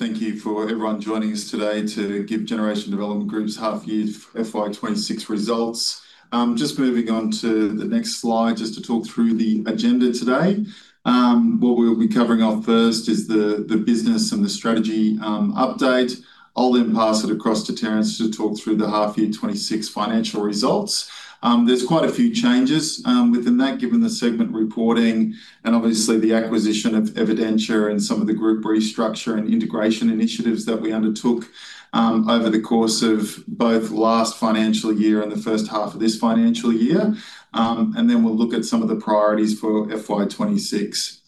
Thank you for everyone joining us today to give Generation Development Group's Half Year FY 2026 Results. Just moving on to the next slide, just to talk through the agenda today. What we'll be covering off first is the business and the strategy update. I'll then pass it across to Terence to talk through the half year 2026 financial results. There's quite a few changes within that, given the segment reporting and obviously the acquisition of Evidentia and some of the group restructure and integration initiatives that we undertook over the course of both last financial year and the first half of this financial year. We'll look at some of the priorities for FY 2026.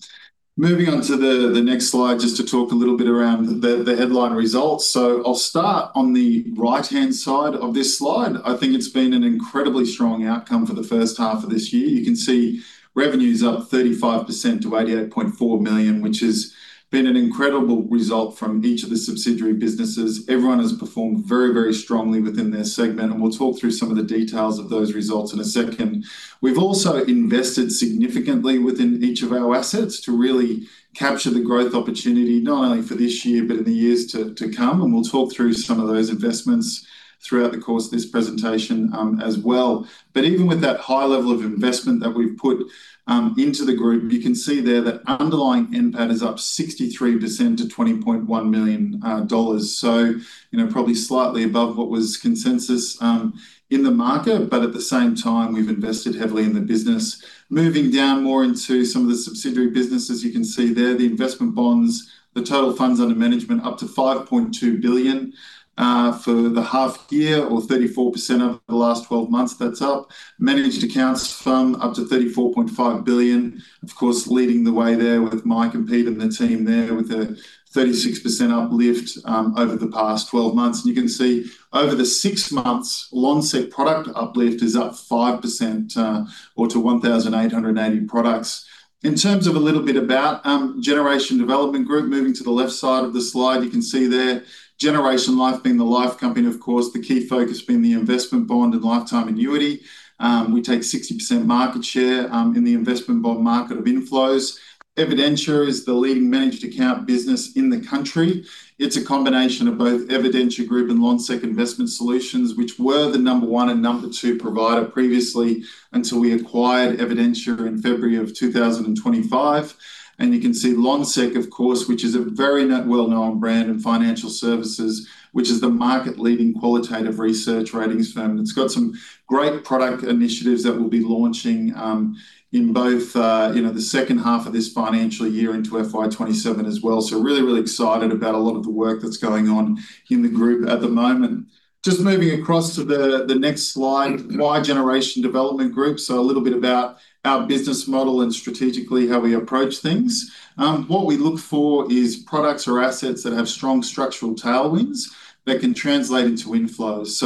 Moving on to the next slide, just to talk a little bit around the headline results. 20I'll start on the right-hand side of this slide. I think it's been an incredibly strong outcome for the first half of this year. You can see revenue's up 35% to 88.4 million, which has been an incredible result from each of the subsidiary businesses. Everyone has performed very strongly within their segment, we'll talk through some of the details of those results in a second. We've also invested significantly within each of our assets to really capture the growth opportunity, not only for this year, but in the years to come, we'll talk through some of those investments throughout the course of this presentation as well. Even with that high level of investment that we've put into the group, you can see there that underlying NPAT is up 63% to 20.1 million dollars. You know, probably slightly above what was consensus in the market, but at the same time, we've invested heavily in the business. Moving down more into some of the subsidiary businesses, you can see there, the investment bonds, the total funds under management up to 5.2 billion for the half year or 34% of the last 12 months, that's up. Managed accounts FUM up to 34.5 billion, of course, leading the way there with Mike and Pete and the team there with a 36% uplift over the past 12 months. You can see over the six months, Lonsec product uplift is up 5% or to 1,880 products. In terms of a little bit about Generation Development Group, moving to the left side of the slide, you can see there, Generation Life being the life company, of course, the key focus being the investment bond and lifetime annuity. We take 60% market share in the investment bond market of inflows. Evidentia is the leading managed account business in the country. It's a combination of both Evidentia Group and Lonsec Investment Solutions, which were the number one and number two provider previously, until we acquired Evidentia in February of 2025. You can see Lonsec, of course, which is a very well-known brand in financial services, which is the market-leading qualitative research ratings firm. It's got some great product initiatives that we'll be launching in both, you know, the second half of this financial year into FY 2027 as well. Really, really excited about a lot of the work that's going on in the Group at the moment. Just moving across to the next slide, why Generation Development Group? What we look for is products or assets that have strong structural tailwinds that can translate into inflows.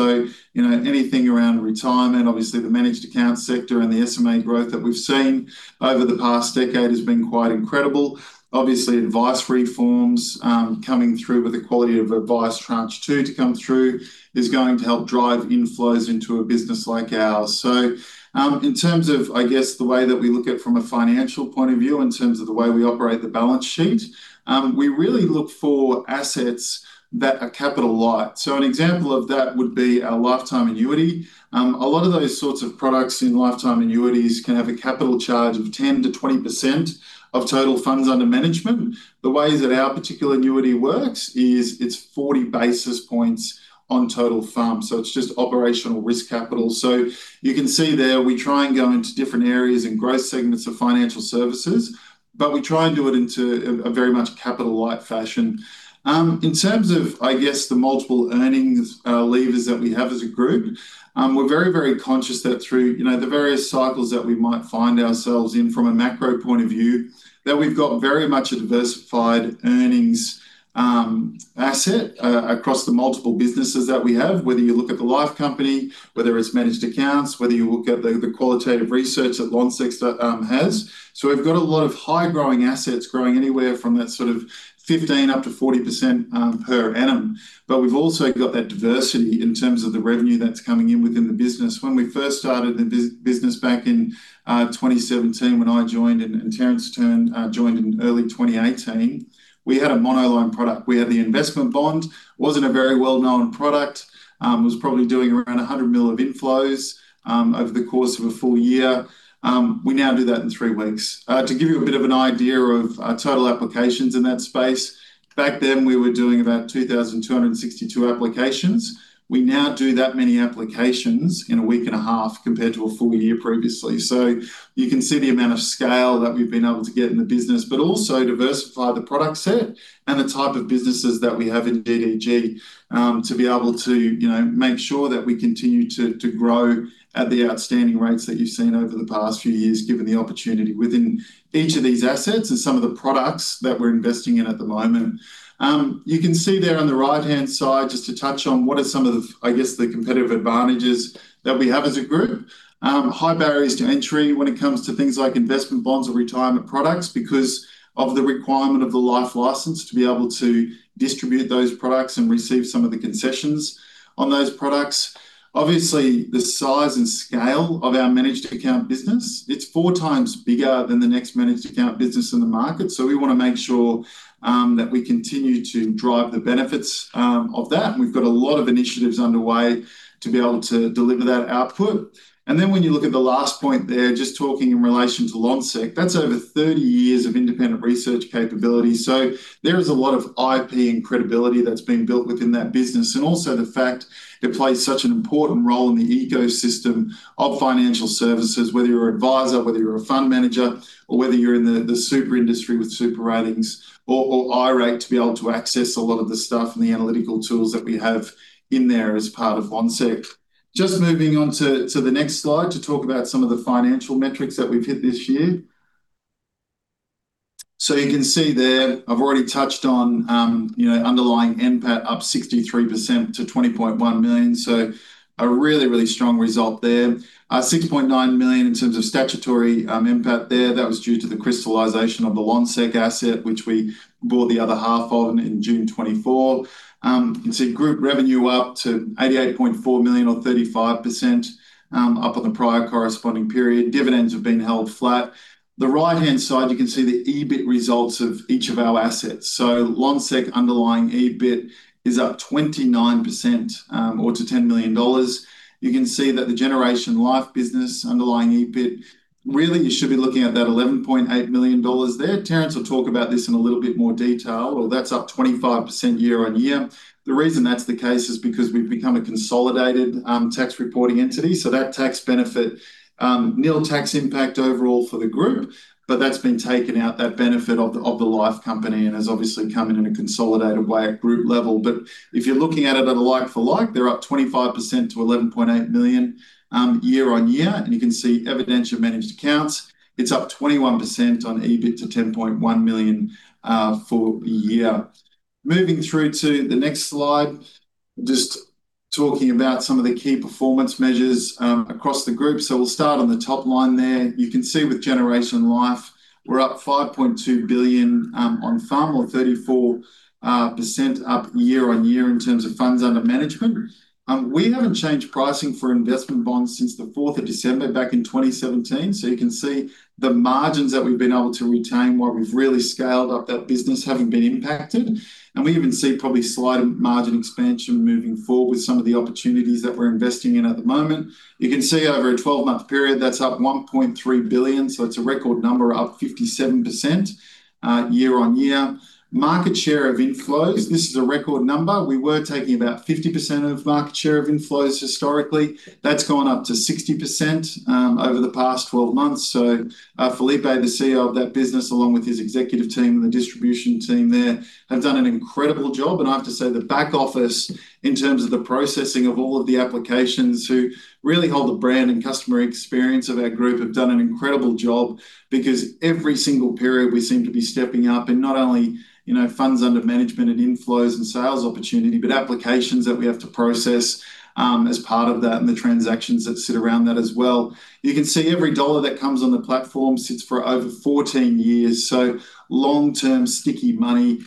You know, anything around retirement, obviously, the managed account sector and the SMA growth that we've seen over the past decade has been quite incredible. Obviously, advice reforms, coming through with the Quality of Advice Tranche 2 to come through is going to help drive inflows into a business like ours. In terms of, I guess, the way that we look at from a financial point of view, in terms of the way we operate the balance sheet, we really look for assets that are capital light. An example of that would be our lifetime annuity. A lot of those sorts of products in lifetime annuities can have a capital charge of 10%-20% of total funds under management. The way that our particular annuity works is it's 40 basis points on total FUM, it's just operational risk capital. You can see there, we try and go into different areas and growth segments of financial services, but we try and do it into a very much capital light fashion. In terms of, I guess, the multiple earnings levers that we have as a group, we're very conscious that through, you know, the various cycles that we might find ourselves in from a macro point of view, that we've got very much a diversified earnings asset across the multiple businesses that we have, whether you look at the life company, whether it's managed accounts, whether you look at the qualitative research that Lonsec has. We've got a lot of high-growing assets growing anywhere from that sort of 15 up to 40% per annum. We've also got that diversity in terms of the revenue that's coming in within the business. When we first started the business back in 2017, when I joined, and Terence joined in early 2018, we had a monoline product, where the investment bond wasn't a very well-known product. It was probably doing around 100 million of inflows over the course of a full year. We now do that in three weeks. To give you a bit of an idea of total applications in that space, back then, we were doing about 2,262 applications. We now do that many applications in a week and a half, compared to a full year previously. You can see the amount of scale that we've been able to get in the business, but also diversify the product set and the type of businesses that we have in GDG, to be able to, you know, make sure that we continue to grow at the outstanding rates that you've seen over the past few years, given the opportunity within each of these assets and some of the products that we're investing in at the moment. You can see there on the right-hand side, just to touch on what are some of the, I guess, the competitive advantages that we have as a group. High barriers to entry when it comes to things like investment bonds or retirement products, because of the requirement of the life license to be able to distribute those products and receive some of the concessions on those products. The size and scale of our managed account business, it's four times bigger than the next managed account business in the market. We want to make sure that we continue to drive the benefits of that, and we've got a lot of initiatives underway to be able to deliver that output. When you look at the last point there, just talking in relation to Lonsec, that's over 30 years of independent research capability. There is a lot of IP and credibility that's been built within that business, and also the fact it plays such an important role in the ecosystem of financial services, whether you're an advisor, whether you're a fund manager, or whether you're in the super industry with SuperRatings or iRate, to be able to access a lot of the stuff and the analytical tools that we have in there as part of Lonsec. Just moving on to the next slide, to talk about some of the financial metrics that we've hit this year. You can see there, I've already touched on, you know, underlying NPAT up 63% to 20.1 million. A really, really strong result there. 6.9 million in terms of statutory NPAT there. That was due to the crystallization of the Lonsec asset, which we bought the other half of in June 2024. You can see group revenue up to 88.4 million, or 35%, up on the prior corresponding period. Dividends have been held flat. The right-hand side, you can see the EBIT results of each of our assets. Lonsec underlying EBIT is up 29%, or to 10 million dollars. You can see that the Generation Life business underlying EBIT, really you should be looking at that 11.8 million dollars there. Terence will talk about this in a little bit more detail. That's up 25% year-over-year. The reason that's the case is because we've become a consolidated, tax reporting entity. That tax benefit, nil tax impact overall for the group, that's been taken out, that benefit of the life company, and has obviously come in in a consolidated way at group level. If you're looking at it at a like for like, they're up 25% to 11.8 million year-on-year. You can see Evidentia Managed Accounts, it's up 21% on EBIT to 10.1 million for the year. Moving through to the next slide, just talking about some of the key performance measures across the group. We'll start on the top line there. You can see with Generation Life, we're up 5.2 billion on FUM, or 34% up year-on-year in terms of funds under management. We haven't changed pricing for investment bonds since the fourth of December back in 2017, you can see the margins that we've been able to retain while we've really scaled up that business, haven't been impacted. We even see probably slight margin expansion moving forward with some of the opportunities that we're investing in at the moment. You can see over a 12-month period, that's up 1.3 billion, it's a record number, up 57% year-over-year. Market share of inflows, this is a record number. We were taking about 50% of market share of inflows historically. That's gone up to 60% over the past 12 months. Felipe, the CEO of that business, along with his executive team and the distribution team there, have done an incredible job. I have to say, the back office, in terms of the processing of all of the applications, who really hold the brand and customer experience of our group, have done an incredible job because every single period, we seem to be stepping up. Not only, you know, funds under management and inflows and sales opportunity, but applications that we have to process as part of that, and the transactions that sit around that as well. You can see every dollar that comes on the platform sits for over 14 years, so long-term, sticky money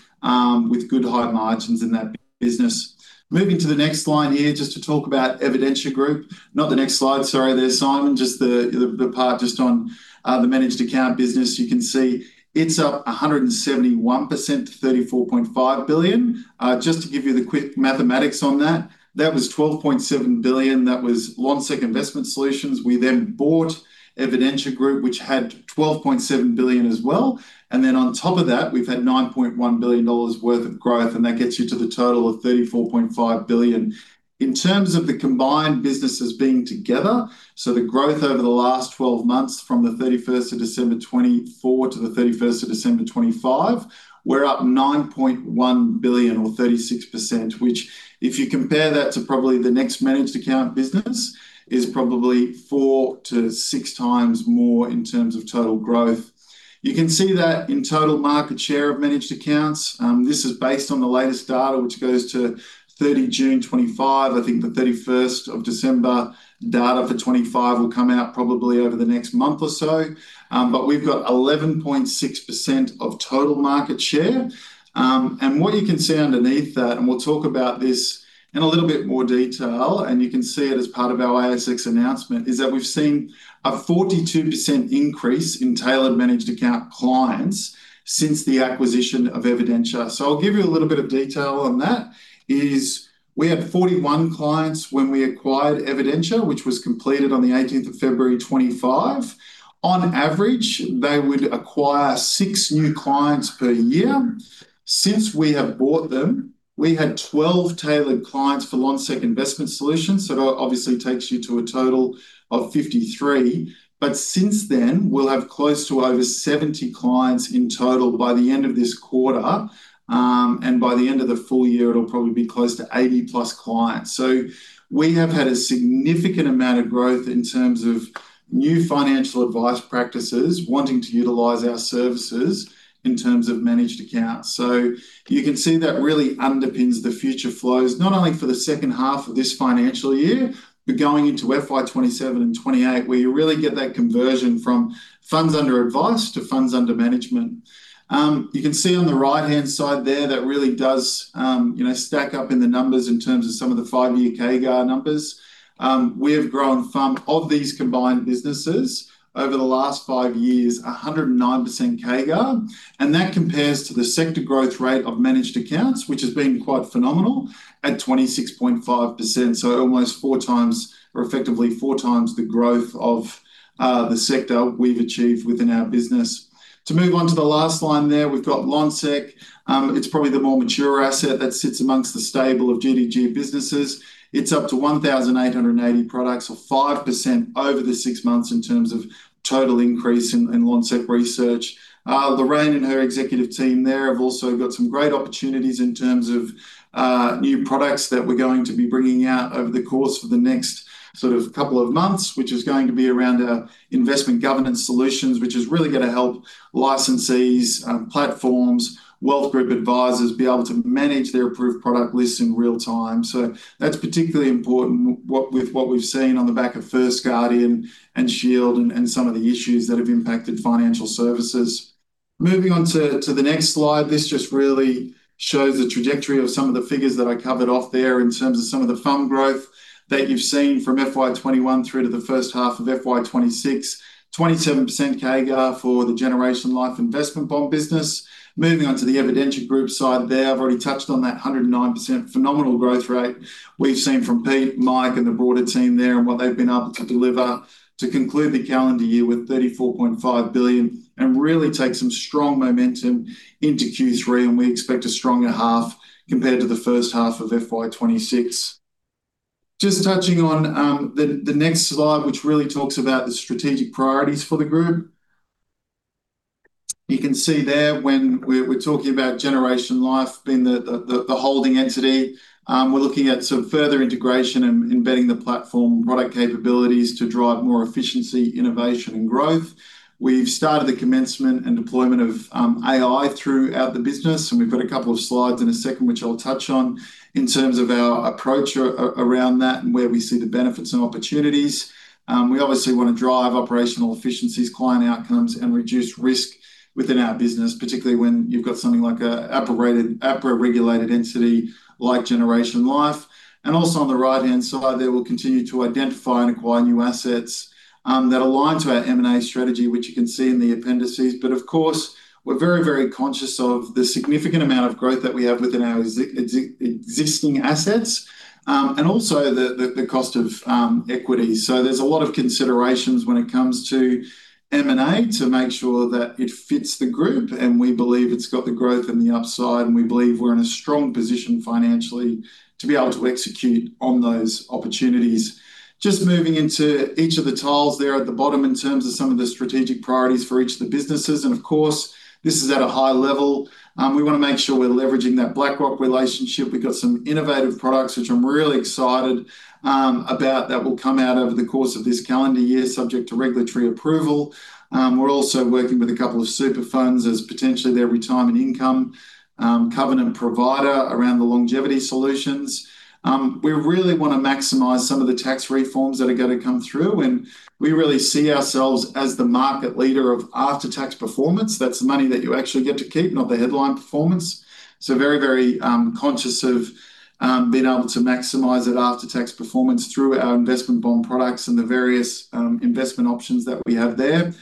with good high margins in that business. Moving to the next line here, just to talk about Evidentia Group. Not the next slide, sorry there, Simon, just the part just on the managed account business. You can see it's up 171% to 34.5 billion. Just to give you the quick mathematics on that was 12.7 billion. That was Lonsec Investment Solutions. We bought Evidentia Group, which had 12.7 billion as well, on top of that, we've had 9.1 billion dollars worth of growth, that gets you to the total of 34.5 billion. In terms of the combined businesses being together, the growth over the last 12 months, from the 31st of December 2024 to the 31st of December 2025, we're up 9.1 billion, or 36%, which, if you compare that to probably the next managed account business, is probably four to six times more in terms of total growth. You can see that in total market share of managed accounts, this is based on the latest data, which goes to 30 June 2025. I think the 31 December data for 2025 will come out probably over the next month or so. We've got 11.6% of total market share. What you can see underneath that, and we'll talk about this in a little bit more detail, and you can see it as part of our ASX announcement, is that we've seen a 42% increase in tailored managed account clients since the acquisition of Evidentia. I'll give you a little bit of detail on that, is we had 41 clients when we acquired Evidentia, which was completed on 18 February 2025. On average, they would acquire six new clients per year. Since we have bought them We had 12 tailored clients for Lonsec Investment Solutions. That obviously takes you to a total of 53, but since then, we'll have close to over 70 clients in total by the end of this quarter. By the end of the full year, it'll probably be close to 80-plus clients. We have had a significant amount of growth in terms of new financial advice practices, wanting to utilize our services in terms of managed accounts. You can see that really underpins the future flows, not only for the second half of this financial year, but going into FY 2027 and 2028, where you really get that conversion from FUA to FUM. You can see on the right-hand side there, that really does, you know, stack up in the numbers in terms of some of the five year CAGR numbers. We have grown FUM of these combined businesses over the last five years, 109% CAGR, that compares to the sector growth rate of managed accounts, which has been quite phenomenal at 26.5%. Almost four times or effectively four times the growth of the sector we've achieved within our business. To move on to the last line there, we've got Lonsec. It's probably the more mature asset that sits amongst the stable of GDG businesses. It's up to 1,880 products, or 5% over the six months in terms of total increase in Lonsec Research. Lorraine and her executive team there have also got some great opportunities in terms of new products that we're going to be bringing out over the course of the next sort of couple of months, which is going to be around our investment governance solutions, which is really going to help licensees, platforms, wealth group advisors, be able to manage their approved product lists in real time. That's particularly important with what we've seen on the back of First Guardian and Shield and some of the issues that have impacted financial services. Moving on to the next slide, this just really shows the trajectory of some of the figures that I covered off there in terms of some of the FUM growth that you've seen from FY 2021 through to the first half of FY 2026. 27% CAGR for the Generation Life investment bond business. Moving on to the Evidentia Group side there, I've already touched on that 109% phenomenal growth rate we've seen from Pete, Mike, and the broader team there, and what they've been able to deliver to conclude the calendar year with 34.5 billion and really take some strong momentum into Q3. We expect a stronger half compared to the first half of FY 2026. Just touching on the next slide, which really talks about the strategic priorities for the group. You can see there when we're talking about Generation Life being the holding entity. We're looking at some further integration and embedding the platform product capabilities to drive more efficiency, innovation, and growth. We've started the commencement and deployment of AI throughout the business, and we've got a couple of slides in a second, which I'll touch on in terms of our approach around that and where we see the benefits and opportunities. We obviously want to drive operational efficiencies, client outcomes, and reduce risk within our business, particularly when you've got something like a APRA-rated, APRA-regulated entity like Generation Life. Also on the right-hand side there, we'll continue to identify and acquire new assets that align to our M&A strategy, which you can see in the appendices. Of course, we're very, very conscious of the significant amount of growth that we have within our existing assets, and also the cost of equity. There's a lot of considerations when it comes to M&A to make sure that it fits the group, and we believe it's got the growth and the upside, and we believe we're in a strong position financially to be able to execute on those opportunities. Just moving into each of the tiles there at the bottom in terms of some of the strategic priorities for each of the businesses, and of course, this is at a high level. We wanna make sure we're leveraging that BlackRock relationship. We've got some innovative products, which I'm really excited about, that will come out over the course of this calendar year, subject to regulatory approval. We're also working with a couple of super funds as potentially their Retirement Income Covenant provider around the longevity solutions. We really want to maximize some of the tax reforms that are going to come through, and we really see ourselves as the market leader of after-tax performance. That's the money that you actually get to keep, not the headline performance. Very, very conscious of being able to maximize that after-tax performance through our investment bond products and the various investment options that we have there.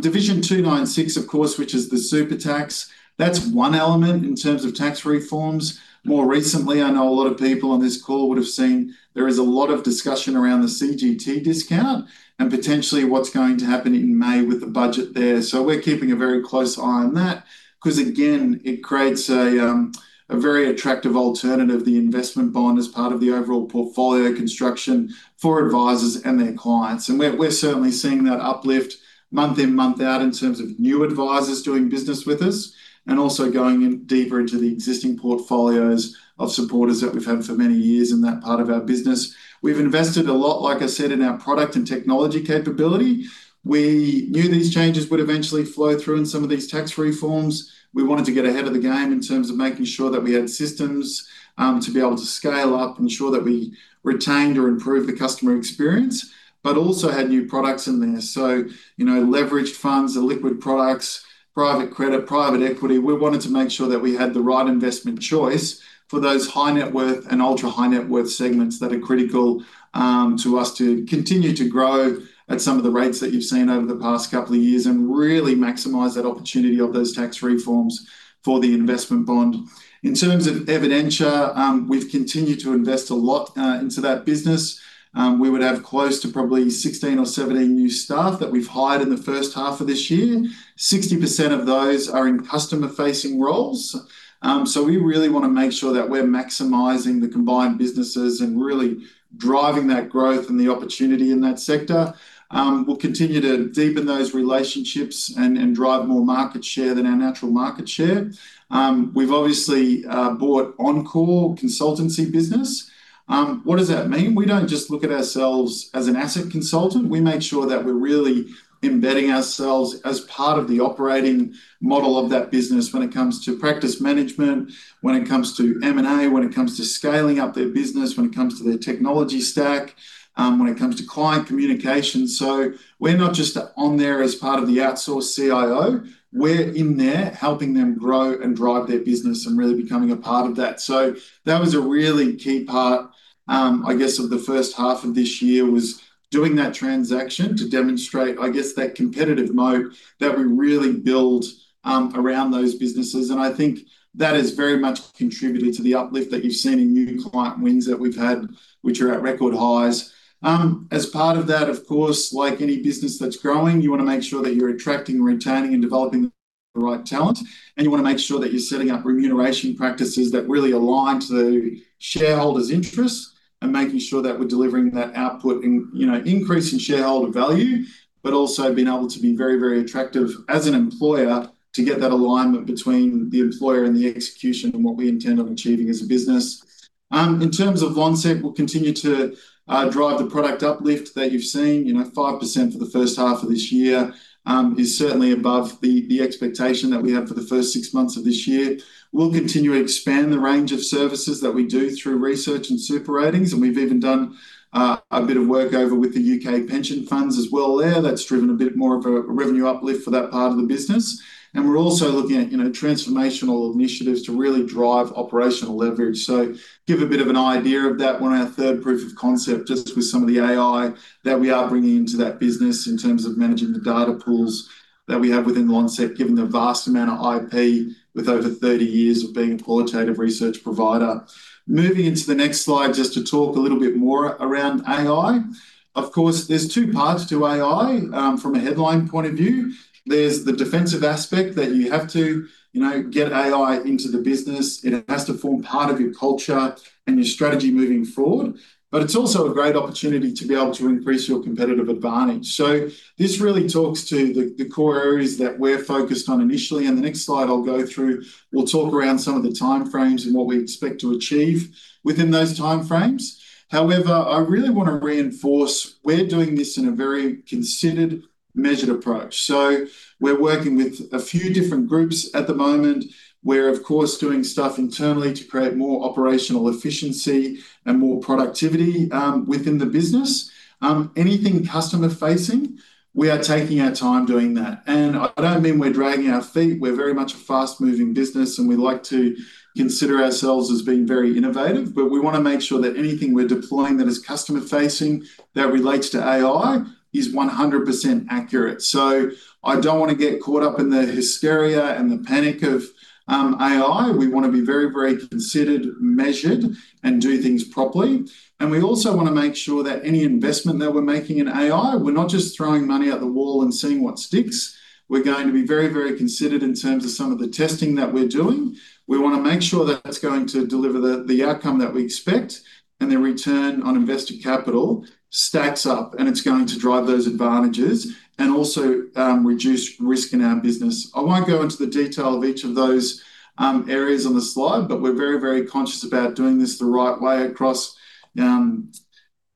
Division 296, of course, which is the super tax, that's one element in terms of tax reforms. More recently, I know a lot of people on this call would have seen there is a lot of discussion around the CGT discount and potentially what's going to happen in May with the budget there. We're keeping a very close eye on that, 'cause again, it creates a very attractive alternative, the investment bond, as part of the overall portfolio construction for advisors and their clients. We're certainly seeing that uplift month in, month out in terms of new advisors doing business with us and also going in deeper into the existing portfolios of supporters that we've had for many years in that part of our business. We've invested a lot, like I said, in our product and technology capability. We knew these changes would eventually flow through in some of these tax reforms. We wanted to get ahead of the game in terms of making sure that we had systems to be able to scale up, ensure that we retained or improved the customer experience, but also had new products in there. You know, leveraged funds and liquid products, private credit, private equity. We wanted to make sure that we had the right investment choice for those high-net-worth and ultra-high-net-worth segments that are critical to us to continue to grow at some of the rates that you've seen over the past couple of years and really maximize that opportunity of those tax reforms for the investment bond. In terms of Evidentia, we've continued to invest a lot into that business. We would have close to probably 16 or 17 new staff that we've hired in the first half of this year. 60% of those are in customer-facing roles. We really want to make sure that we're maximizing the combined businesses and really driving that growth and the opportunity in that sector. We'll continue to deepen those relationships and drive more market share than our natural market share. We've obviously bought Encore Consultancy business. What does that mean? We don't just look at ourselves as an asset consultant. We make sure that we're really embedding ourselves as part of the operating model of that business when it comes to practice management, when it comes to M&A, when it comes to scaling up their business, when it comes to their technology stack, when it comes to client communication. We're not just on there as part of the outsourced CIO, we're in there helping them grow and drive their business and really becoming a part of that. That was a really key part, I guess, of the first half of this year, was doing that transaction to demonstrate, I guess, that competitive mode that we really build around those businesses. I think that has very much contributed to the uplift that you've seen in new client wins that we've had, which are at record highs. As part of that, of course, like any business that's growing, you wanna make sure that you're attracting, retaining, and developing the right talent, and you wanna make sure that you're setting up remuneration practices that really align to the shareholders' interests, and making sure that we're delivering that output and, you know, increasing shareholder value. Also being able to be very, very attractive as an employer to get that alignment between the employer and the execution and what we intend on achieving as a business. In terms of Lonsec, we'll continue to drive the product uplift that you've seen. You know, 5% for the first half of this year is certainly above the expectation that we have for the first 6 months of this year. We'll continue to expand the range of services that we do through research and SuperRatings, and we've even done a bit of work over with the UK pension funds as well there. That's driven a bit more of a revenue uplift for that part of the business. We're also looking at, you know, transformational initiatives to really drive operational leverage. Give a bit of an idea of that, we're on our third proof of concept, just with some of the AI that we are bringing into that business in terms of managing the data pools that we have within Lonsec, given the vast amount of IP, with over 30 years of being a qualitative research provider. Moving into the next slide, just to talk a little bit more around AI. Of course, there's two parts to AI, from a headline point of view. There's the defensive aspect that you have to, you know, get AI into the business, and it has to form part of your culture and your strategy moving forward. It's also a great opportunity to be able to increase your competitive advantage. This really talks to the core areas that we're focused on initially. In the next slide, we'll talk around some of the timeframes and what we expect to achieve within those timeframes. I really want to reinforce, we're doing this in a very considered, measured approach. We're working with a few different groups at the moment. We're, of course, doing stuff internally to create more operational efficiency and more productivity within the business. Anything customer facing, we are taking our time doing that. I don't mean we're dragging our feet. We're very much a fast-moving business, and we like to consider ourselves as being very innovative, but we want to make sure that anything we're deploying that is customer facing, that relates to AI, is 100% accurate. I don't want to get caught up in the hysteria and the panic of AI. We want to be very, very considered, measured, and do things properly. We also want to make sure that any investment that we're making in AI, we're not just throwing money at the wall and seeing what sticks. We're going to be very, very considered in terms of some of the testing that we're doing. We want to make sure that's going to deliver the outcome that we expect, and the return on invested capital stacks up, and it's going to drive those advantages and also reduce risk in our business. I won't go into the detail of each of those areas on the slide, but we're very, very conscious about doing this the right way across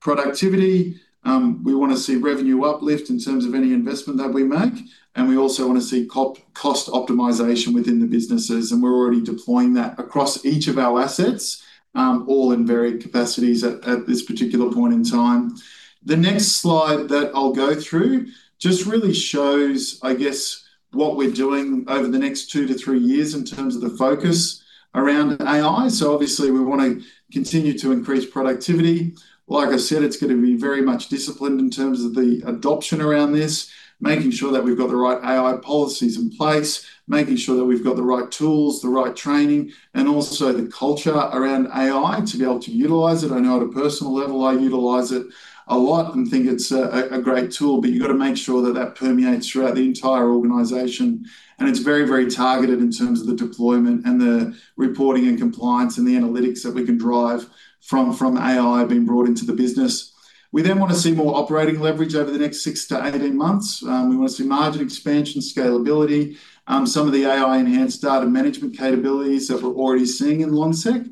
productivity. We want to see revenue uplift in terms of any investment that we make, and we also want to see cost optimization within the businesses, and we're already deploying that across each of our assets, all in varied capacities at this particular point in time. The next slide that I'll go through just really shows, I guess, what we're doing over the next two to three years in terms of the focus around AI. Obviously, we want to continue to increase productivity. Like I said, it's going to be very much disciplined in terms of the adoption around this, making sure that we've got the right AI policies in place, making sure that we've got the right tools, the right training, and also the culture around AI to be able to utilize it. I know at a personal level, I utilize it a lot and think it's a great tool, but you've got to make sure that that permeates throughout the entire organization. It's very, very targeted in terms of the deployment and the reporting and compliance, and the analytics that we can drive from AI being brought into the business. We want to see more operating leverage over the next six to 18 months. We want to see margin expansion, scalability, some of the AI-enhanced data management capabilities that we're already seeing in Lonsec.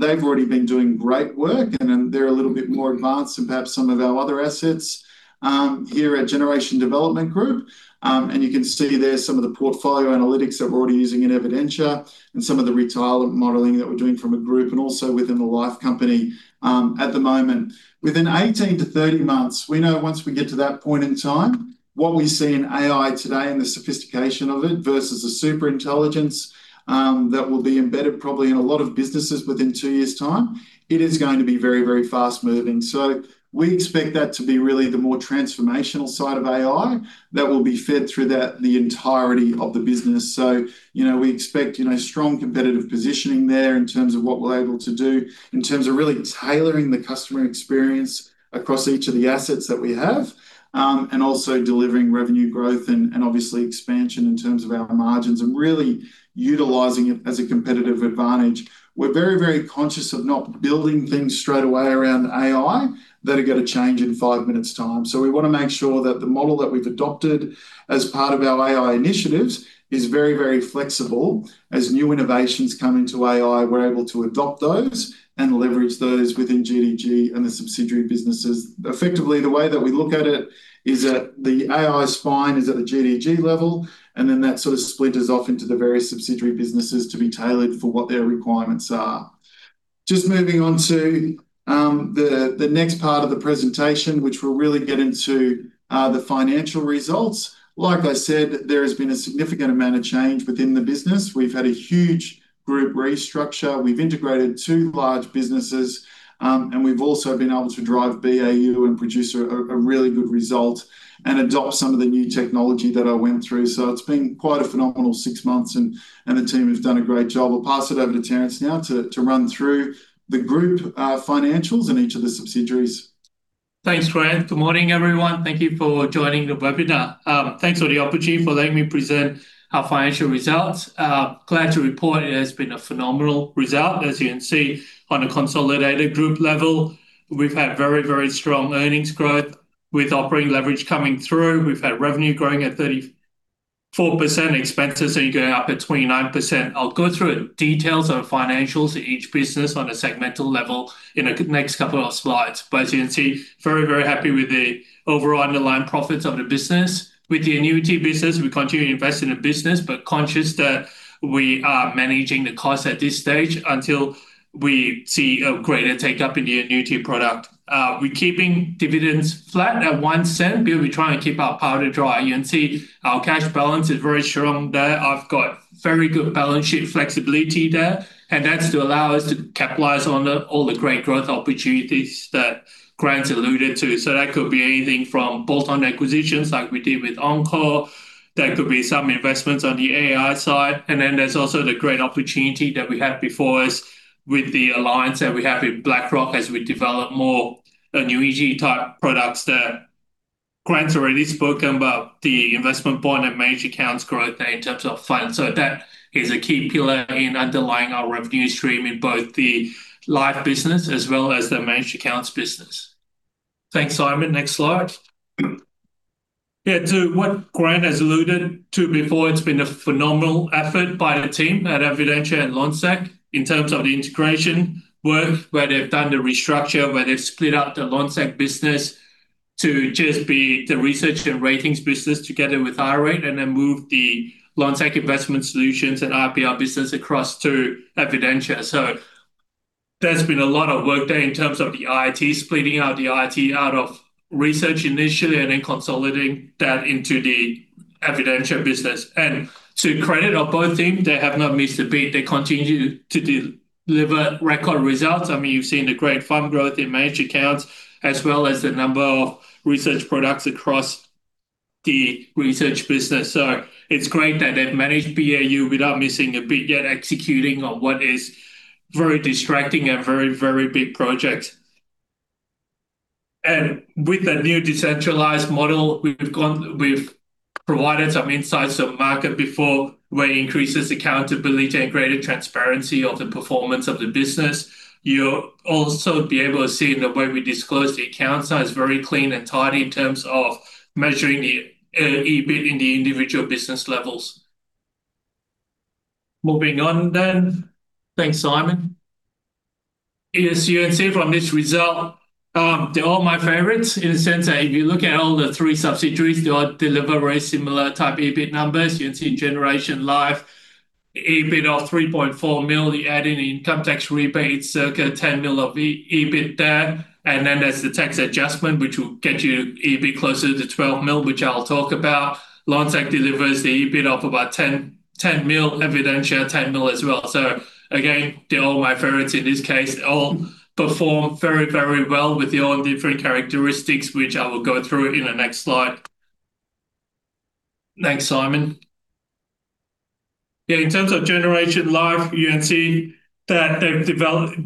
They've already been doing great work, and they're a little bit more advanced than perhaps some of our other assets here at Generation Development Group. You can see there some of the portfolio analytics that we're already using in Evidentia, and some of the retirement modeling that we're doing from a group, and also within the life company at the moment. Within 18 to 30 months, we know once we get to that point in time. What we see in AI today and the sophistication of it versus a super intelligence that will be embedded probably in a lot of businesses within two years' time, it is going to be very, very fast moving. We expect that to be really the more transformational side of AI that will be fed through that, the entirety of the business. You know, we expect, you know, strong competitive positioning there in terms of what we're able to do, in terms of really tailoring the customer experience across each of the assets that we have, and also delivering revenue growth and obviously expansion in terms of our margins and really utilizing it as a competitive advantage. We're very, very conscious of not building things straight away around AI that are going to change in five minutes time. We want to make sure that the model that we've adopted as part of our AI initiatives is very, very flexible. As new innovations come into AI, we're able to adopt those and leverage those within GDG and the subsidiary businesses. Effectively, the way that we look at it is that the AI spine is at the GDG level, and then that sort of splinters off into the various subsidiary businesses to be tailored for what their requirements are. Just moving on to the next part of the presentation, which we'll really get into the financial results. Like I said, there has been a significant amount of change within the business. We've had a huge group restructure. We've integrated two large businesses, and we've also been able to drive BAU and produce a really good result and adopt some of the new technology that I went through. It's been quite a phenomenal six months, and the team has done a great job. I'll pass it over to Terence now to run through the group financials in each of the subsidiaries. Thanks, Grant. Good morning, everyone. Thank you for joining the webinar. Thanks for the opportunity for letting me present our financial results. Glad to report it has been a phenomenal result. As you can see, on a consolidated group level, we've had very strong earnings growth with operating leverage coming through. We've had revenue growing at 34%, expenses are going up at 29%. I'll go through the details of financials of each business on a segmental level in the next couple of slides. But as you can see, very happy with the overall underlying profits of the business. With the annuity business, we continue to invest in the business, but conscious that we are managing the costs at this stage until we see a greater take-up in the annuity product. We're keeping dividends flat at 0.01. We'll be trying to keep our powder dry. You can see our cash balance is very strong there. I've got very good balance sheet flexibility there, that's to allow us to capitalize on the, all the great growth opportunities that Grant alluded to. That could be anything from bolt-on acquisitions like we did with Encore. That could be some investments on the AI side, then there's also the great opportunity that we have before us with the alliance that we have with BlackRock as we develop more annuity-type products that Grant's already spoken about, the investment bond and managed accounts growth in terms of funds. That is a key pillar in underlying our revenue stream in both the live business as well as the managed accounts business. Thanks, Simon. Next slide. To what Grant has alluded to before, it's been a phenomenal effort by the team at Evidentia and Lonsec in terms of the integration work, where they've done the restructure, where they've split up the Lonsec business to just be the research and ratings business together with iRate, and then moved the Lonsec Investment Solutions and RPI business across to Evidentia. There's been a lot of work there in terms of the IT, splitting out the IT out of research initially and then consolidating that into the Evidentia business. To credit of both teams, they have not missed a beat. They continue to deliver record results. I mean, you've seen the great fund growth in managed accounts, as well as the number of research products across the research business. It's great that they've managed BAU without missing a beat, yet executing on what is very distracting and very, very big project. With the new decentralized model, we've provided some insights of market before, where it increases accountability and greater transparency of the performance of the business. You'll also be able to see the way we disclose the account size, very clean and tidy in terms of measuring the EBIT in the individual business levels. Moving on. Thanks, Simon. As you can see from this result, they're all my favorites in a sense that if you look at all the three subsidiaries, they all deliver very similar type EBIT numbers. You can see in Generation Life, EBIT of 3.4 million, you add in the income tax rebate, circa 10 million of EBIT there. Then there's the tax adjustment, which will get you a bit closer to 12 million, which I'll talk about. Lonsec delivers the EBIT of about 10 million, Evidentia, 10 million as well. Again, they're all my favorites in this case. All perform very, very well with their own different characteristics, which I will go through in the next slide. Thanks, Simon. In terms of Generation Life, you can see that they've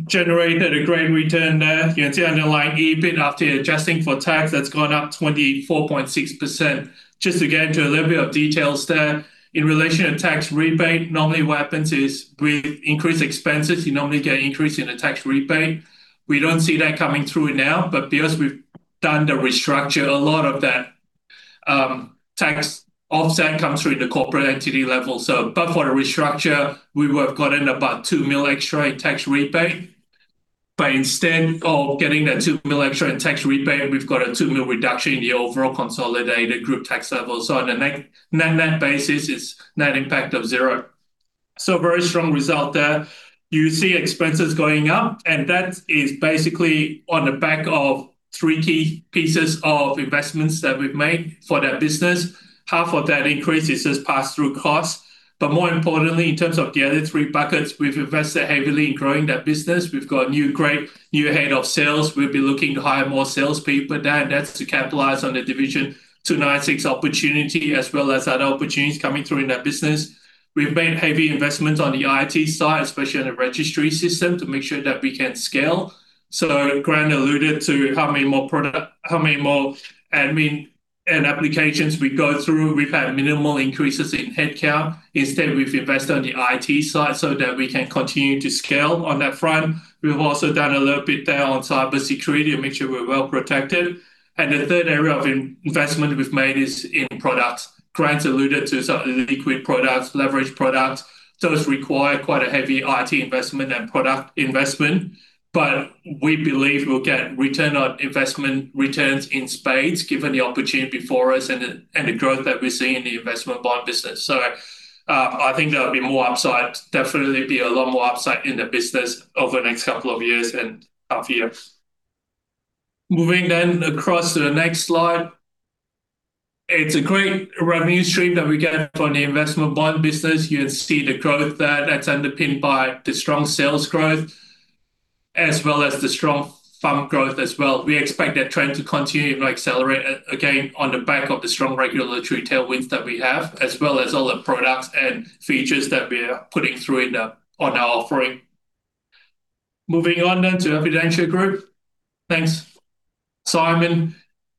generated a great return there. You can see underlying EBIT after adjusting for tax, that's gone up 24.6%. Just to get into a little bit of details there. In relation to tax rebate, normally what happens is with increased expenses, you normally get an increase in the tax rebate. We don't see that coming through now. Because we've done the restructure, a lot of that tax offset comes through the corporate entity level. For the restructure, we would have gotten about 2 million extra in tax rebate. Instead of getting that 2 million extra in tax rebate, we've got a 2 million reduction in the overall consolidated group tax level. On a net, net basis, it's net impact of zero. Very strong result there. You see expenses going up, that is basically on the back of three key pieces of investments that we've made for that business. Half of that increase is just pass-through costs. More importantly, in terms of the other three buckets, we've invested heavily in growing that business. We've got a new, great head of sales. We'll be looking to hire more salespeople. That's to capitalize on the Division 296 opportunity, as well as other opportunities coming through in that business. We've made heavy investments on the IT side, especially on the registry system, to make sure that we can scale. Grant alluded to how many more admin and applications we go through. We've had minimal increases in headcount. Instead, we've invested on the IT side so that we can continue to scale on that front. We've also done a little bit there on cybersecurity to make sure we're well protected. The third area of in-investment we've made is in products. Grant alluded to some of the liquid products, leverage products. Those require quite a heavy IT investment and product investment, but we believe we'll get return on investment returns in spades, given the opportunity before us and the growth that we're seeing in the investment bond business. I think there'll be more upside, definitely be a lot more upside in the business over the next two years and half year. Moving across to the next slide. It's a great revenue stream that we get from the investment bond business. You can see the growth there that's underpinned by the strong sales growth, as well as the strong FUM growth as well. We expect that trend to continue to accelerate again, on the back of the strong regulatory tailwinds that we have, as well as all the products and features that we're putting through on our offering. Moving on to Evidentia Group. Thanks, Simon.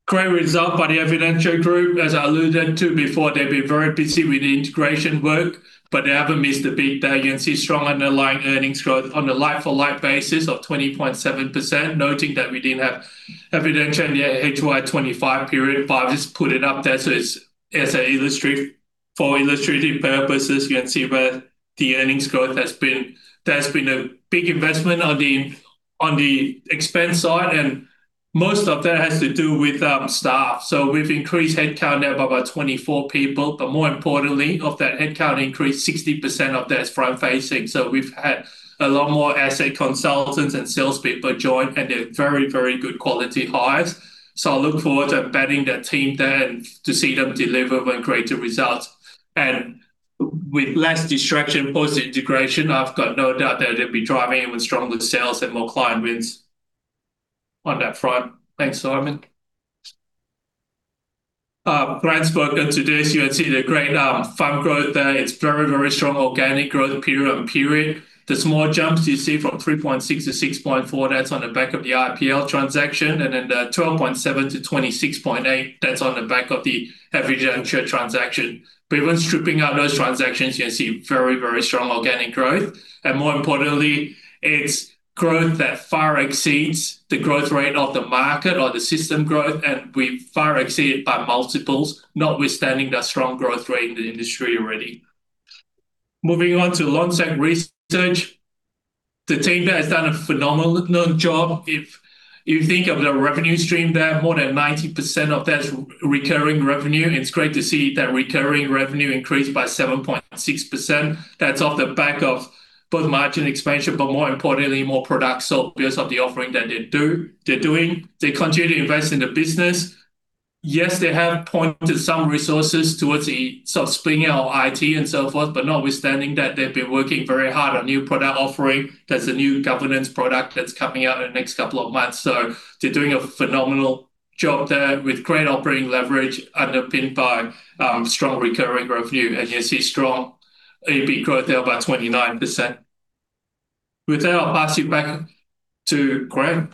Great result by the Evidentia Group. As I alluded to before, they've been very busy with the integration work, but they haven't missed a beat there. You can see strong underlying earnings growth on a like-for-like basis of 20.7%, noting that we didn't have Evidentia in the HY 25 period. I've just put it up there, so it's for illustrative purposes. You can see where the earnings growth has been. There's been a big investment on the expense side. Most of that has to do with staff. We've increased headcount now by about 24 people, but more importantly, of that headcount increase, 60% of that is front-facing. We've had a lot more asset consultants and salespeople join, and they're very, very good quality hires. I look forward to embedding that team there and to see them deliver and greater results. With less distraction post-integration, I've got no doubt that they'll be driving even stronger sales and more client wins on that front. Thanks, Simon. Grant's spoken to this. You can see the great FUM growth there. It's very, very strong organic growth period on period. The small jumps you see from 3.6 to 6.4, that's on the back of the IFL transaction, and then the 12.7 to 26.8, that's on the back of the Evidentia transaction. When stripping out those transactions, you can see very, very strong organic growth, and more importantly, it's growth that far exceeds the growth rate of the market or the system growth, and we far exceed it by multiples, notwithstanding that strong growth rate in the industry already. Moving on to Lonsec Research, the team there has done a phenomenal known job. If you think of the revenue stream there, more than 90% of that is recurring revenue. It's great to see that recurring revenue increase by 7.6%. That's off the back of both margin expansion, more importantly, more product sales because of the offering that they're doing. They continue to invest in the business. Yes, they have pointed some resources towards the sort of springing our IT and so forth, notwithstanding that, they've been working very hard on new product offering. There's a new governance product that's coming out in the next couple of months. They're doing a phenomenal job there with great operating leverage, underpinned by strong recurring revenue, and you see strong EBIT growth there by 29%. With that, I'll pass you back to Grant.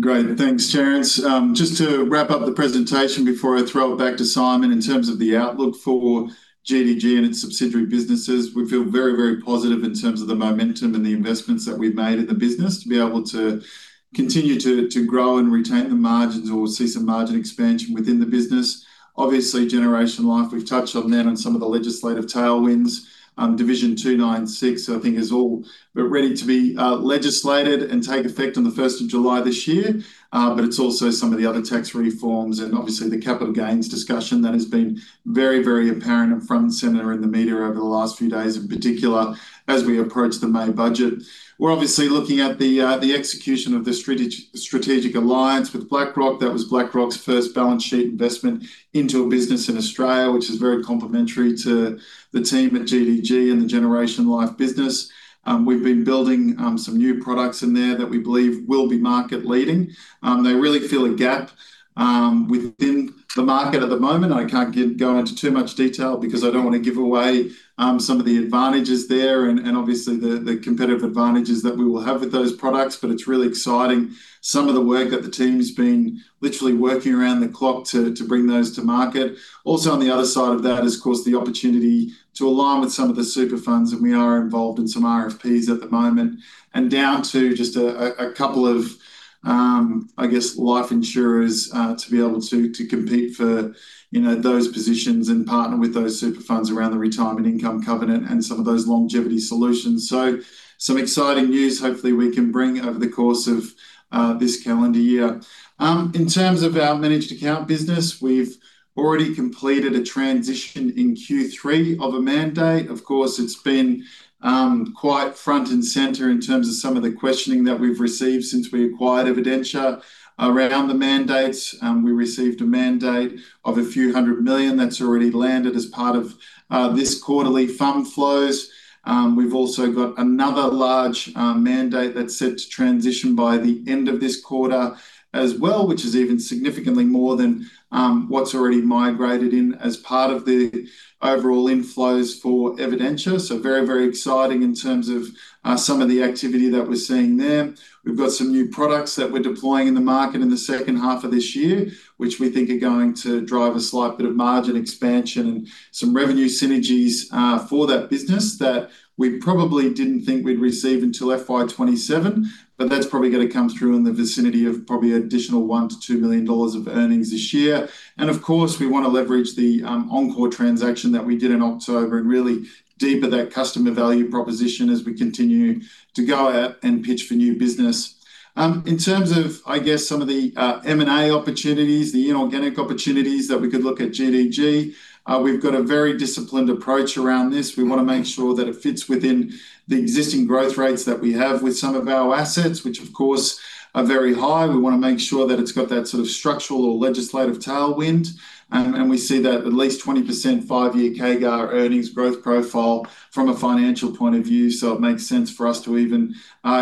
Great. Thanks, Terence. Just to wrap up the presentation before I throw it back to Simon, in terms of the outlook for GDG and its subsidiary businesses, we feel very, very positive in terms of the momentum and the investments that we've made in the business to be able to continue to grow and retain the margins or see some margin expansion within the business. Obviously, Generation Life, we've touched on that and some of the legislative tailwinds. Division 296, I think, is all but ready to be legislated and take effect on the 1st of July this year. But it's also some of the other tax reforms and obviously, the capital gains discussion that has been very, very apparent and front and center in the media over the last few days, in particular, as we approach the May budget. We're obviously looking at the execution of the strategic alliance with BlackRock. That was BlackRock's first balance sheet investment into a business in Australia, which is very complementary to the team at GDG and the Generation Life business. We've been building some new products in there that we believe will be market-leading. They really fill a gap within the market at the moment. I can't go into too much detail because I don't want to give away some of the advantages there and obviously, the competitive advantages that we will have with those products. It's really exciting. Some of the work that the team's been literally working around the clock to bring those to market. On the other side of that is, of course, the opportunity to align with some of the super funds, and we are involved in some RFPs at the moment, and down to just a couple of, I guess, life insurers, to be able to compete for, you know, those positions and partner with those super funds around the Retirement Income Covenant and some of those longevity solutions. Some exciting news hopefully we can bring over the course of this calendar year. In terms of our managed account business, we've already completed a transition in Q3 of a mandate. Of course, it's been quite front and center in terms of some of the questioning that we've received since we acquired Evidentia around the mandates. We received a mandate of a few hundred million AUD that's already landed as part of this quarterly FUM flows. We've also got another large mandate that's set to transition by the end of this quarter as well, which is even significantly more than what's already migrated in as part of the overall inflows for Evidentia. Very, very exciting in terms of some of the activity that we're seeing there. We've got some new products that we're deploying in the market in the second half of this year, which we think are going to drive a slight bit of margin expansion and some revenue synergies for that business that we probably didn't think we'd receive until FY 2027, that's probably going to come through in the vicinity of probably additional 1 million-2 million dollars of earnings this year. Of course, we want to leverage the Encore transaction that we did in October and really deeper that customer value proposition as we continue to go out and pitch for new business. In terms of, I guess, some of the M&A opportunities, the inorganic opportunities that we could look at GDG, we've got a very disciplined approach around this. We want to make sure that it fits within the existing growth rates that we have with some of our assets, which, of course, are very high. We want to make sure that it's got that sort of structural or legislative tailwind, and we see that at least 20% 5-year CAGR earnings growth profile from a financial point of view. It makes sense for us to even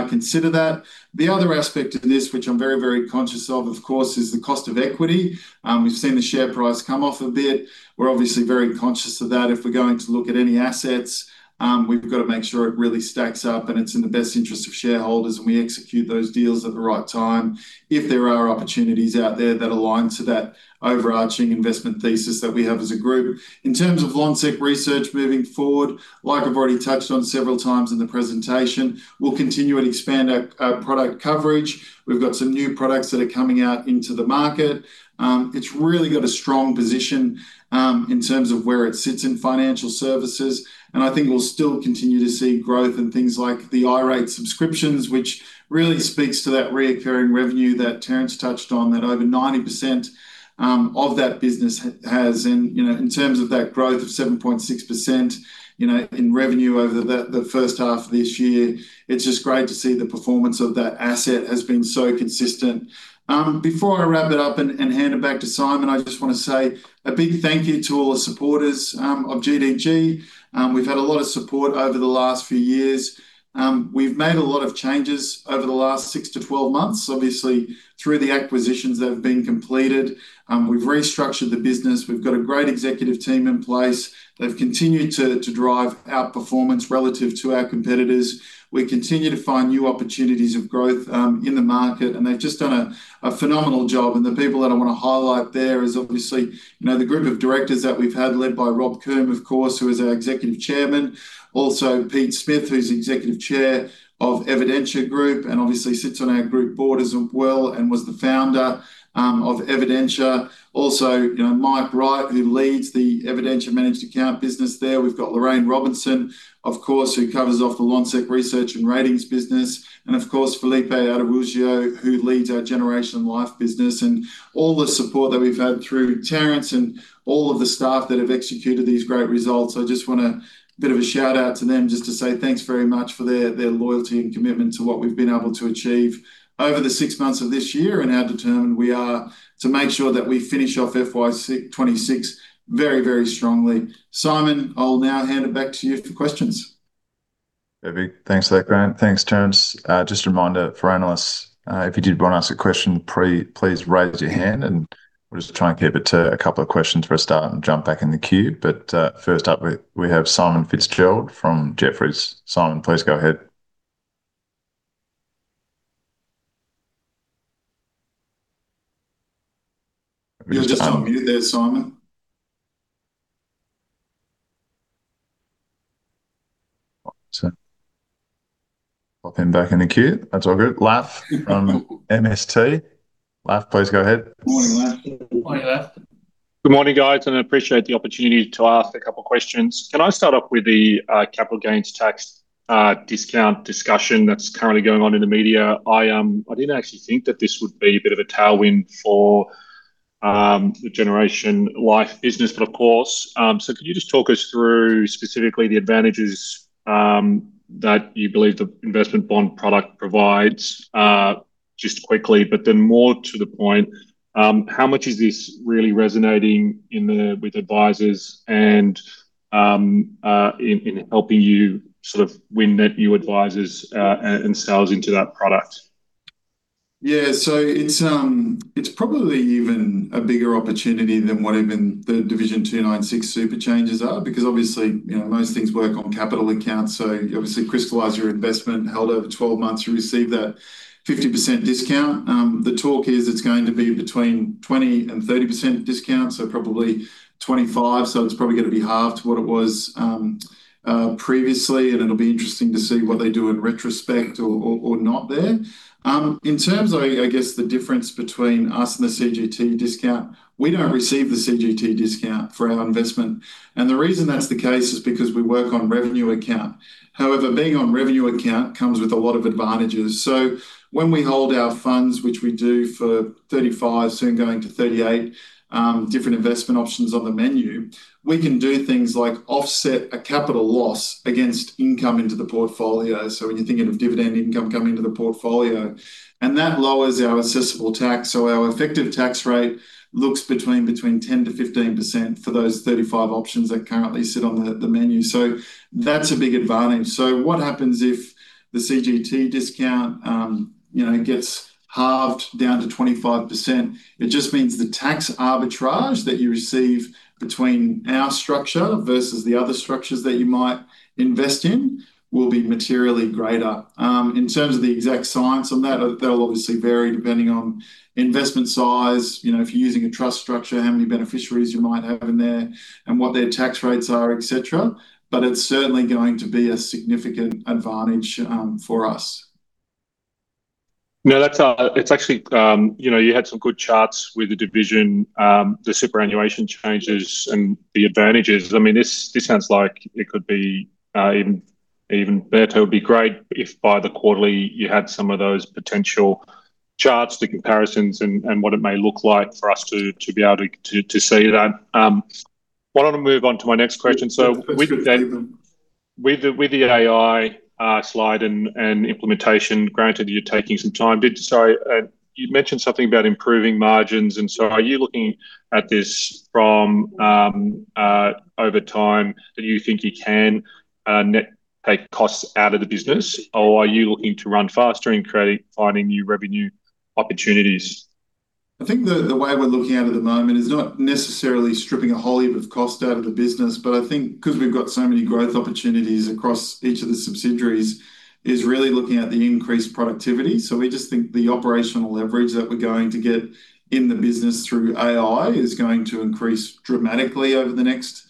consider that. The other aspect of this, which I'm very, very conscious of course, is the cost of equity. We've seen the share price come off a bit. We're obviously very conscious of that. If we're going to look at any assets, we've got to make sure it really stacks up and it's in the best interest of shareholders, and we execute those deals at the right time. If there are opportunities out there that align to that overarching investment thesis that we have as a group. In terms of Lonsec Research moving forward, like I've already touched on several times in the presentation, we'll continue to expand our product coverage. We've got some new products that are coming out into the market. It's really got a strong position in terms of where it sits in financial services, and I think we'll still continue to see growth in things like the iRate subscriptions, which really speaks to that reoccurring revenue that Terence touched on, that over 90% of that business has in, you know, in terms of that growth of 7.6%, you know, in revenue over the first half of this year. It's just great to see the performance of that asset has been so consistent. Before I wrap it up and hand it back to Simon, I just want to say a big thank you to all the supporters of GDG. We've had a lot of support over the last few years. We've made a lot of changes over the last six to twelve months, obviously, through the acquisitions that have been completed. We've restructured the business. We've got a great executive team in place. They've continued to drive our performance relative to our competitors. We continue to find new opportunities of growth in the market, and they've just done a phenomenal job. The people that I want to highlight there is obviously, you know, the group of directors that we've had, led by Robert Coombe, of course, who is our Executive Chairman. Peter Smith, who's the Executive Chair of Evidentia Group, and obviously sits on our group board as well, and was the founder of Evidentia. You know, Michael Wright, who leads the Evidentia managed account business there. We've got Lorraine Robinson, of course, who covers off the Lonsec Research and Ratings business, and of course, Felipe Araujo, who leads our Generation Life business, and all the support that we've had through Terence and all of the staff that have executed these great results. I just want a bit of a shout-out to them just to say thanks very much for their loyalty and commitment to what we've been able to achieve over the six months of this year, and how determined we are to make sure that we finish off FY 2026 very, very strongly. Simon, I'll now hand it back to you for questions. Perfect. Thanks for that, Grant. Thanks, Terence. Just a reminder for analysts, if you did want to ask a question please raise your hand, and we'll just try and keep it to a couple of questions for a start and jump back in the queue. First up, we have Simon Fitzgerald from Jefferies. Simon, please go ahead. You're just on mute there, Simon. Pop him back in the queue. That's all good. Laf from MST. Laf, please go ahead. Morning, Laf. Morning, Laf. Good morning, guys. I appreciate the opportunity to ask two questions. Can I start off with the capital gains tax discount discussion that's currently going on in the media? I didn't actually think that this would be a bit of a tailwind for the Generation Life business, of course. Can you just talk us through specifically the advantages that you believe the investment bond product provides? Just quickly, more to the point, how much is this really resonating with advisors and in helping you sort of win net new advisors and sales into that product? It's probably even a bigger opportunity than what even the Division 296 super changes are, because obviously, you know, most things work on capital accounts. Obviously, crystallize your investment, held over 12 months, you receive that 50% discount. The talk is it's going to be between 20% and 30% discount, so probably 25. It's probably going to be half to what it was previously, and it will be interesting to see what they do in retrospect or not there. In terms of, I guess, the difference between us and the CGT discount, we don't receive the CGT discount for our investment, and the reason that's the case is because we work on revenue account. However, being on revenue account comes with a lot of advantages. When we hold our funds, which we do for 35, soon going to 38 different investment options on the menu, we can do things like offset a capital loss against income into the portfolio. When you're thinking of dividend income coming into the portfolio, and that lowers our assessable tax. Our effective tax rate looks between 10%-15% for those 35 options that currently sit on the menu. That's a big advantage. What happens if the CGT discount, you know, gets halved down to 25%? It just means the tax arbitrage that you receive between our structure versus the other structures that you might invest in, will be materially greater. In terms of the exact science on that'll obviously vary depending on investment size, you know, if you're using a trust structure, how many beneficiaries you might have in there, and what their tax rates are, et cetera. It's certainly going to be a significant advantage for us. No, that's, it's actually, you know, you had some good charts with the division, the superannuation changes and the advantages. I mean, this sounds like it could be even better. It would be great if by the quarterly you had some of those potential charts, the comparisons, and what it may look like for us to be able to see that. Why don't I move on to my next question? With the AI slide and implementation, granted, you're taking some time. Sorry, you'd mentioned something about improving margins. Are you looking at this from, over time, do you think you can, net take costs out of the business? Are you looking to run faster and finding new revenue opportunities? I think the way we're looking at it at the moment is not necessarily stripping a whole heap of cost out of the business, but I think 'cause we've got so many growth opportunities across each of the subsidiaries, is really looking at the increased productivity. We just think the operational leverage that we're going to get in the business through AI is going to increase dramatically over the next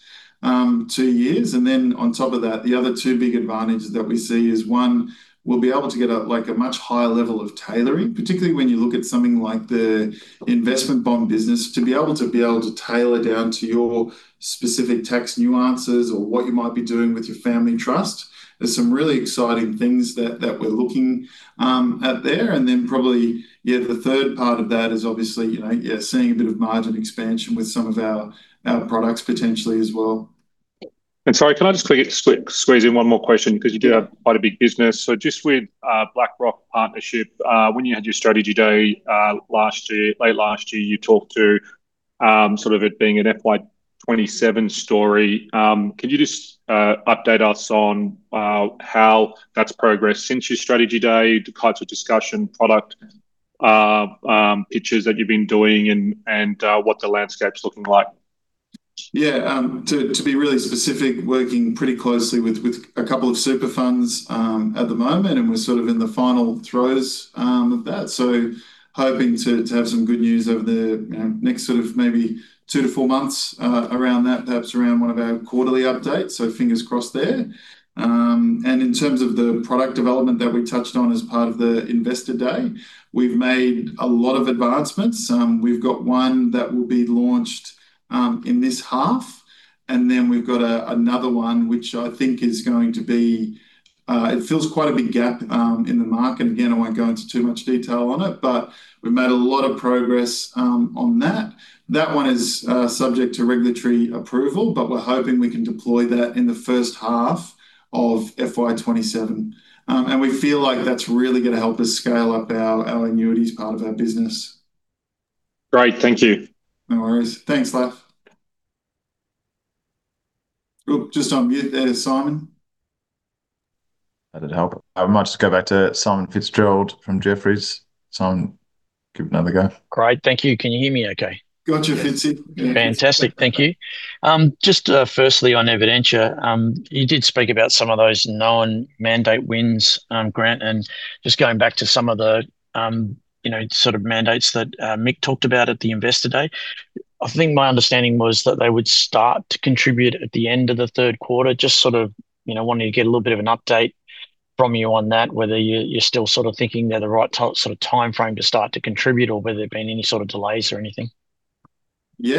two years. Then on top of that, the other two big advantages that we see is, one, we'll be able to get a, like, a much higher level of tailoring. Particularly when you look at something like the investment bond business, to be able to tailor down to your specific tax nuances or what you might be doing with your family trust. There's some really exciting things that we're looking at there. Then probably, yeah, the third part of that is obviously, you know, yeah, seeing a bit of margin expansion with some of our products potentially as well. sorry, can I just quick squeeze in one more question? Yeah. 'Cause you do have quite a big business. Just with BlackRock partnership, when you had your strategy day last year, late last year, you talked to sort of it being an FY 2027 story. Could you just update us on how that's progressed since your strategy day, the types of discussion, product pitches that you've been doing, and what the landscape's looking like? Yeah. To be really specific, working pretty closely with a couple of super funds at the moment, and we're sort of in the final throes of that. Hoping to have some good news over the, you know, next sort of maybe two to four months around that, perhaps around one of our quarterly updates, so fingers crossed there. In terms of the product development that we touched on as part of the investor day, we've made a lot of advancements. We've got one that will be launched in this half, and then we've got another one, which I think is going to be, it fills quite a big gap in the market. Again, I won't go into too much detail on it, but we've made a lot of progress on that. That one is subject to regulatory approval, but we're hoping we can deploy that in the first half of FY 2027. We feel like that's really going to help us scale up our annuities part of our business. Great, thank you. No worries. Thanks, Laf. Oh, just on mute there, Simon. That'd help. I might just go back to Simon Fitzgerald from Jefferies. Simon, give it another go. Great, thank you. Can you hear me okay? Got you, Fitzy. Fantastic, thank you. Just firstly on Evidentia, you did speak about some of those known mandate wins, Grant, and just going back to some of the, you know, sort of mandates that Mick talked about at the investor day. I think my understanding was that they would start to contribute at the end of the third quarter. Just sort of, you know, wanting to get a little bit of an update from you on that, whether you're still sort of thinking they're the right sort of timeframe to start to contribute, or whether there have been any sort of delays or anything? The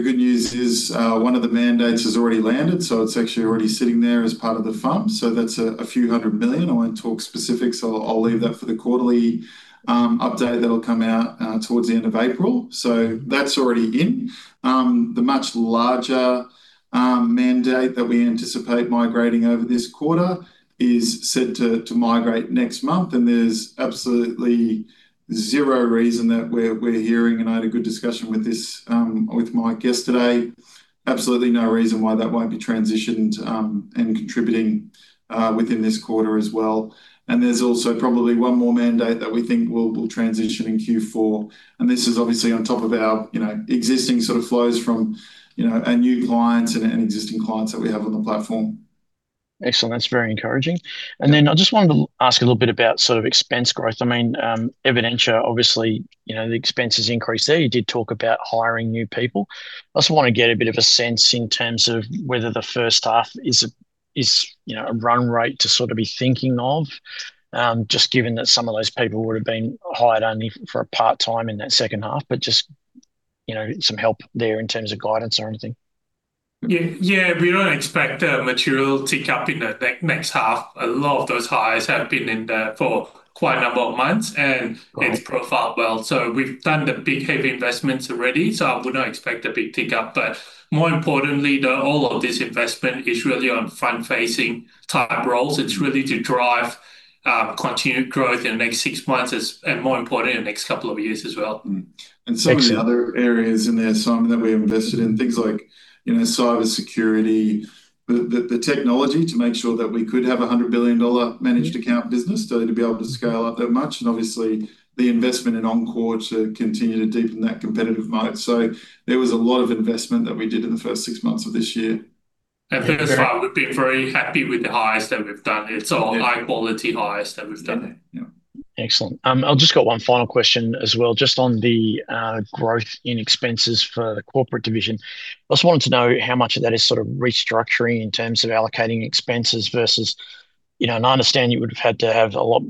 good news is, one of the mandates has already landed, so it's actually already sitting there as part of the fund. That's a AUD few hundred million. I won't talk specifics, I'll leave that for the quarterly update that will come out towards the end of April. That's already in. The much larger mandate that we anticipate migrating over this quarter is set to migrate next month, and there's absolutely zero reason that we're hearing. I had a good discussion with this with Michael Wright yesterday, absolutely no reason why that won't be transitioned and contributing within this quarter as well. There's also probably one more mandate that we think we'll transition in Q4. This is obviously on top of our, you know, existing sort of flows from, you know, our new clients and existing clients that we have on the platform. Excellent. That's very encouraging. I just wanted to ask a little bit about sort of expense growth. I mean, Evidentia, obviously, you know, the expenses increase there. You did talk about hiring new people. I also want to get a bit of a sense in terms of whether the first half is, you know, a run rate to sort of be thinking of, just given that some of those people would have been hired only for a part-time in that second half, but just, you know, some help there in terms of guidance or anything. Yeah, we don't expect a material tick-up in the next half. A lot of those hires have been in there for quite a number of months. Got it. It's profiled well. We've done the big, heavy investments already, so I would not expect a big tick-up. More importantly, all of this investment is really on front-facing type roles. It's really to drive continued growth in the next six months as, and more importantly, in the next couple of years as well. Excellent. Some of the other areas in there, Simon, that we invested in, things like, you know, cybersecurity, the technology to make sure that we could have a 100 billion dollar managed account business, so to be able to scale up that much, and obviously, the investment in Encore to continue to deepen that competitive moat. There was a lot of investment that we did in the first six months of this year. Thus far, we've been very happy with the hires that we've done. Yeah. It's all high-quality hires that we've done. Yeah. Excellent. I've just got one final question as well, just on the growth in expenses for the corporate division. I just wanted to know how much of that is sort of restructuring in terms of allocating expenses versus, and I understand you would've had to have a lot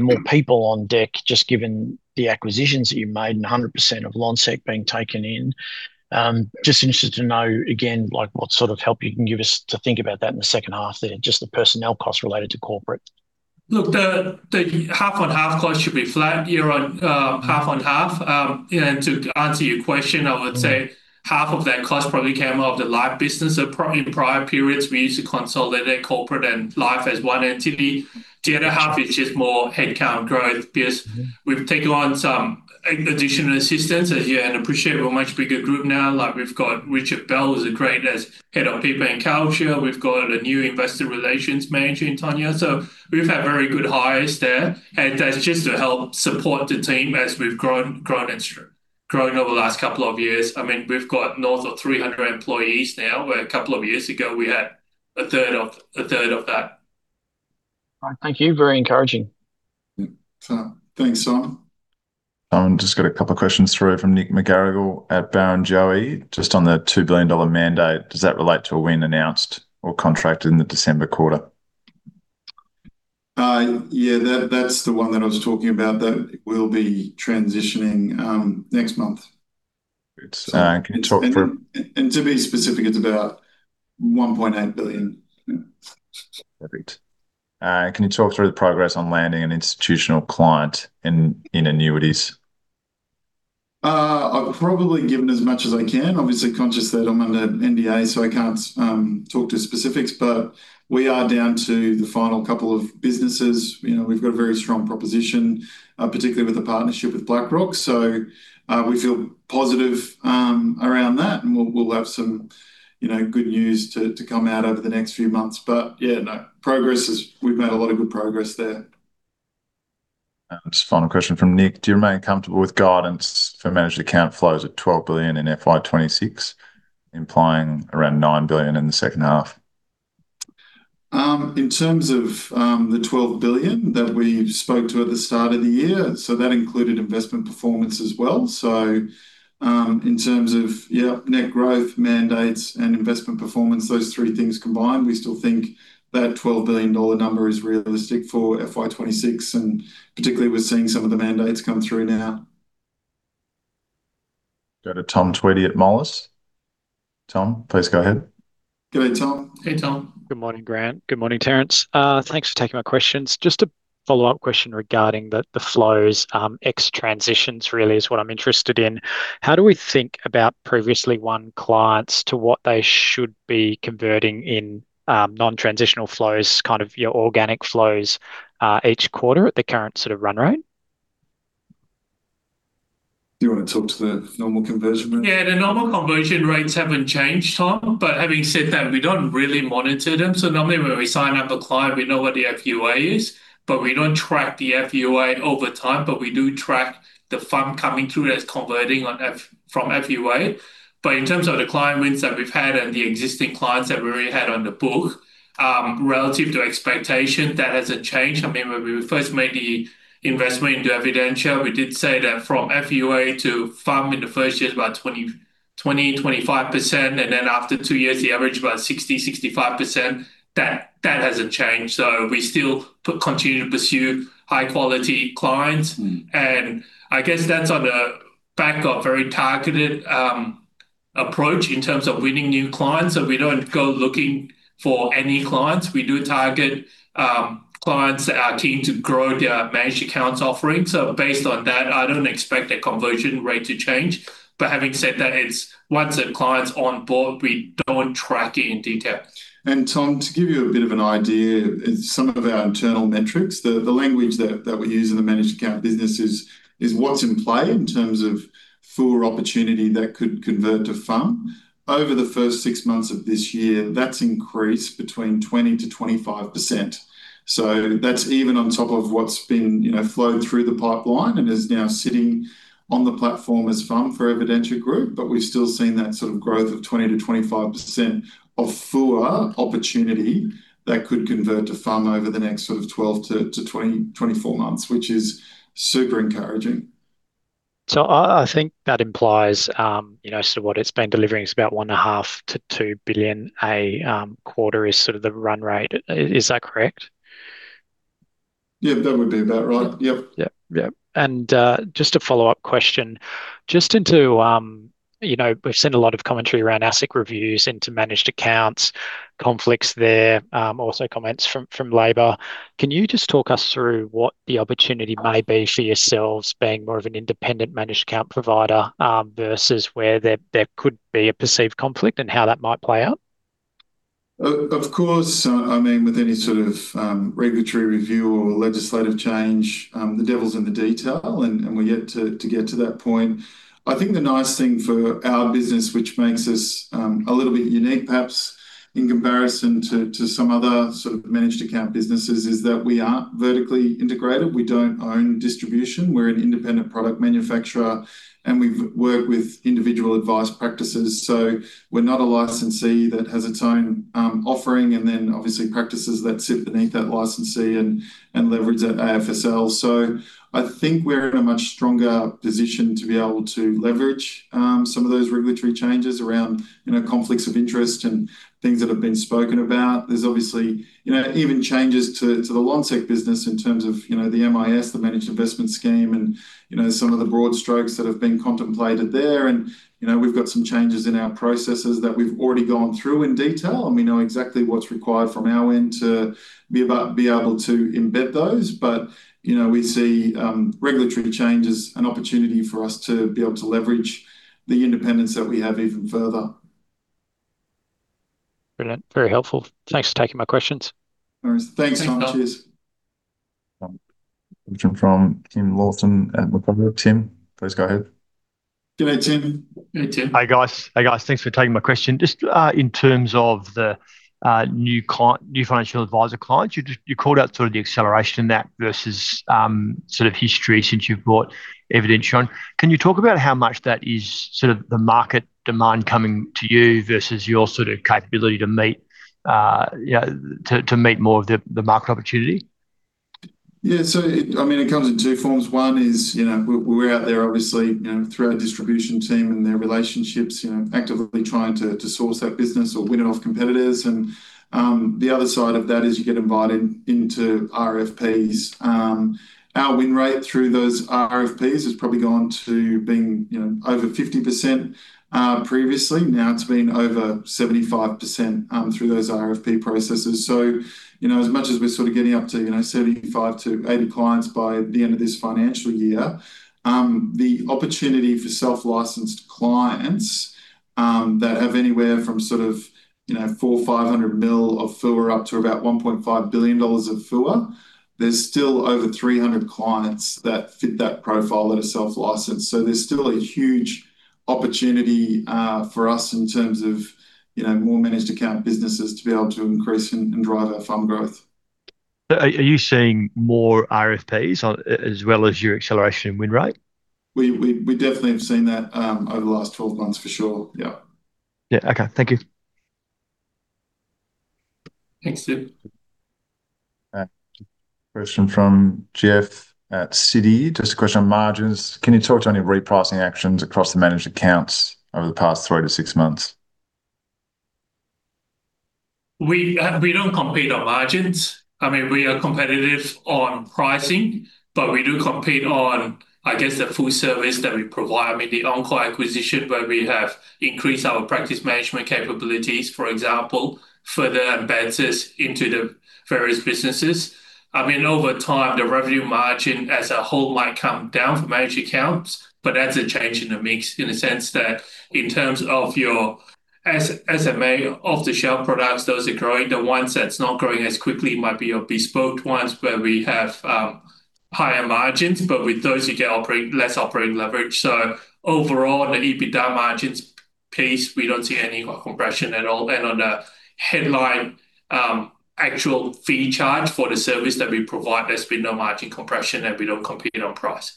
more people on deck, just given the acquisitions that you've made and 100% of Lonsec being taken in. Just interested to know, again, what sort of help you can give us to think about that in the second half there, just the personnel costs related to corporate. Look, the half on half cost should be flat year on half on half. You know, to answer your question, I would say half of that cost probably came out of the Life business. Probably in prior periods, we used to consolidate corporate and Life as one entity. The other half is just more headcount growth because we've taken on some additional assistants here and appreciate we're a much bigger group now. We've got Richard Bell, who's a great as Head of People and Culture. We've got a new investor relations manager in Tanya, and we've had very good hires there, and that's just to help support the team as we've grown and growing over the last couple of years. I mean, we've got north of 300 employees now, where a couple of years ago, we had a third of that. Thank you. Very encouraging. Thanks, Simon. Just got a couple of questions through from Nicholas McGarrigle at Barrenjoey. Just on the 2 billion-dollar mandate, does that relate to a win announced or contracted in the December quarter? Yeah, that's the one that I was talking about, that we'll be transitioning, next month. It's, can you talk through To be specific, it's about 1.8 billion. Yeah. Perfect. Can you talk through the progress on landing an institutional client in annuities? I've probably given as much as I can. Obviously, conscious that I'm under NDA, so I can't talk to specifics, but we are down to the final couple of businesses. You know, we've got a very strong proposition, particularly with the partnership with BlackRock. We feel positive around that, and we'll have some, you know, good news to come out over the next few months. Yeah, no, we've made a lot of good progress there. Just final question from Nick: Do you remain comfortable with guidance for managed account flows at 12 billion in FY 2026, implying around 9 billion in the second half? In terms of the 12 billion that we spoke to at the start of the year, that included investment performance as well. In terms of net growth, mandates, and investment performance, those three things combined, we still think that 12 billion dollar number is realistic for FY 2026, particularly, we're seeing some of the mandates come through now. Go to Tom Twomey at Moelis. Tom, please go ahead. G'day, Tom. Hey, Tom. Good morning, Grant. Good morning, Terence. Thanks for taking my questions. Just a follow-up question regarding the flows, ex transitions really is what I'm interested in. How do we think about previously won clients to what they should be converting in, non-transitional flows, kind of your organic flows, each quarter at the current sort of run rate? Do you want to talk to the normal conversion rate? Yeah, the normal conversion rates haven't changed, Tom, but having said that, we don't really monitor them. Normally, when we sign up a client, we know what the FUA is, but we don't track the FUA over time, but we do track the fund coming through that's converting from FUA. In terms of the client wins that we've had and the existing clients that we already had on the book, relative to expectation, that hasn't changed. I mean, when we first made the investment into Evidentia, we did say that from FUA to FUM in the first year is about 20%-25%, and then after two years, the average about 60%-65%. T hat hasn't changed, so we still continue to pursue high-quality clients. I guess that's on the back of very targeted, approach in terms of winning new clients. We don't go looking for any clients. We do target, clients that are keen to grow their managed accounts offerings. Based on that, I don't expect the conversion rate to change, but having said that, it's once a client's on board, we don't track it in detail. Tom, to give you a bit of an idea, in some of our internal metrics, the language that we use in the managed account business is what's in play in terms of full opportunity that could convert to FUM. Over the first six months of this year, that's increased between 20%-25%. That's even on top of what's been, you know, flowed through the pipeline and is now sitting on the platform as FUM for Evidentia Group. We've still seen that sort of growth of 20%-25% of full opportunity that could convert to FUM over the next sort of 12 to 20, 24 months, which is super encouraging. I think that implies, you know, sort of what it's been delivering is about one and a half billion-2 billion a quarter is sort of the run rate. Is that correct? Yeah, that would be about right. Yep. Yep. Just a follow-up question. Just into, you know, we've seen a lot of commentary around ASIC reviews into managed accounts, conflicts there, also comments from Labor. Can you just talk us through what the opportunity may be for yourselves being more of an independent managed account provider, versus where there could be a perceived conflict and how that might play out? Of course, I mean, with any sort of regulatory review or legislative change, the devil's in the detail, and we're yet to get to that point. I think the nice thing for our business, which makes us a little bit unique, perhaps in comparison to some other sort of managed account businesses, is that we aren't vertically integrated. We don't own distribution. We're an independent product manufacturer, and we've worked with individual advice practices. We're not a licensee that has its own offering, and then obviously, practices that sit beneath that licensee and leverage that AFSL. I think we're in a much stronger position to be able to leverage some of those regulatory changes around, you know, conflicts of interest and things that have been spoken about. There's obviously, you know, even changes to the Lonsec business in terms of the MIS, the Managed Investment Scheme, and some of the broad strokes that have been contemplated there and we've got some changes in our processes that we've already gone through in detail, and we know exactly what's required from our end to be able to embed those. You know, we see regulatory change as an opportunity for us to be able to leverage the independence that we have even further. Brilliant, very helpful. Thanks for taking my questions. No worries. Thanks, Tom. Cheers. A question from Tim Lawson at Macquarie. Tim, please go ahead. G'day, Tim. G'day, Tim. Hi, guys. Hey, guys. Thanks for taking my question. Just in terms of the new client, new financial advisor clients, you called out sort of the acceleration in that versus sort of history since you've brought Evidentia on. Can you talk about how much that is sort of the market demand coming to you versus your sort of capability to meet, you know, to meet more of the market opportunity? Yeah, I mean, it comes in two forms. One is, you know, we're out there obviously, you know, through our distribution team and their relationships, you know, actively trying to source that business or win it off competitors. The other side of that is you get invited into RFP. Our win rate through those RFP has probably gone to being, you know, over 50%, previously. Now it's been over 75%, through those RFP processes. you know, as much as we're sort of getting up to, you know, 75 to 80 clients by the end of this financial year, the opportunity for self-licensed clients, that have anywhere from sort of, you know, 400 million-500 million of FOA up to about 1.5 billion dollars of FOA, there's still over 300 clients that fit that profile that are self-licensed. There's still a huge opportunity, for us in terms of, you know, more managed account businesses to be able to increase and drive our fund growth. Are you seeing more RFP on as well as your acceleration win rate? We definitely have seen that, over the last 12 months, for sure. Yeah. Yeah. Okay. Thank you. Thanks, Tim. Question from Jeff at Citi. Just a question on margins. Can you talk to any repricing actions across the managed accounts over the past three to six months? We don't compete on margins. I mean, we are competitive on pricing, but we do compete on, I guess, the full service that we provide. I mean, the Encore acquisition, where we have increased our practice management capabilities, for example, further embeds us into the various businesses. I mean, over time, the revenue margin as a whole might come down for managed accounts, but that's a change in the mix, in a sense that in terms of your SMA off-the-shelf products, those are growing. The ones that's not growing as quickly might be your bespoke ones, where we have higher margins, but with those you get less operating leverage. Overall, on the EBITDA margins piece, we don't see any compression at all. On the headline, actual fee charge for the service that we provide, there's been no margin compression, and we don't compete on price.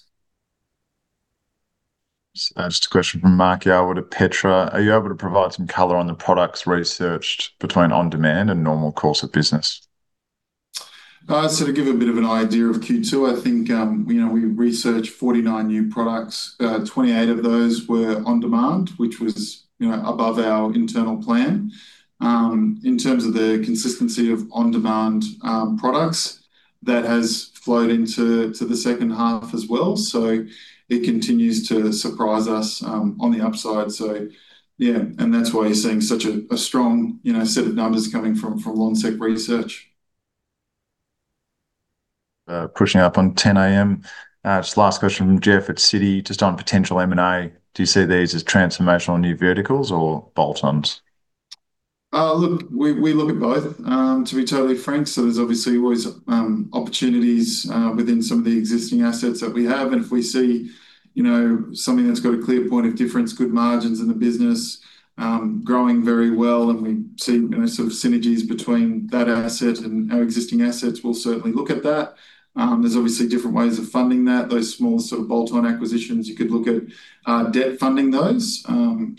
Just a question from Mark Yarwood at Petra: Are you able to provide some color on the products researched between on-demand and normal course of business? To give a bit of an idea of Q2, I think, we researched 49 new products. 28 of those were on-demand, which was above our internal plan. In terms of the consistency of on-demand products, that has flowed into the second half as well, it continues to surprise us on the upside. That's why you're seeing such a strong set of numbers coming from Lonsec Research. Pushing up on 10:00 A.M. Just last question from Jeff at Citi, just on potential M&A. Do you see these as transformational new verticals or bolt-ons? Look, we look at both, to be totally frank, there's obviously always opportunities within some of the existing assets that we have. If we see, you know, something that's got a clear point of difference, good margins in the business, growing very well, and we see, you know, sort of synergies between that asset and our existing assets, we'll certainly look at that. There's obviously different ways of funding that. Those smaller sort of bolt-on acquisitions, you could look at debt funding those. You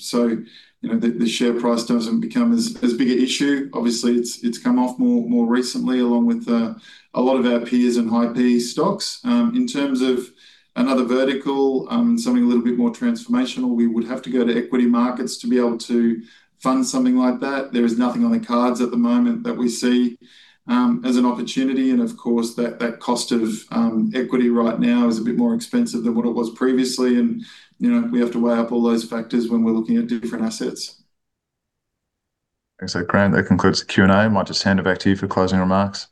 know, the share price doesn't become as big an issue. Obviously, it's come off more recently, along with a lot of our peers and high PE stocks. In terms of another vertical, something a little bit more transformational, we would have to go to equity markets to be able to fund something like that. There is nothing on the cards at the moment that we see as an opportunity. Of course, that cost of equity right now is a bit more expensive than what it was previously. You know, we have to weigh up all those factors when we're looking at different assets. Thanks, Grant. That concludes the Q&A. I might just hand it back to you for closing remarks.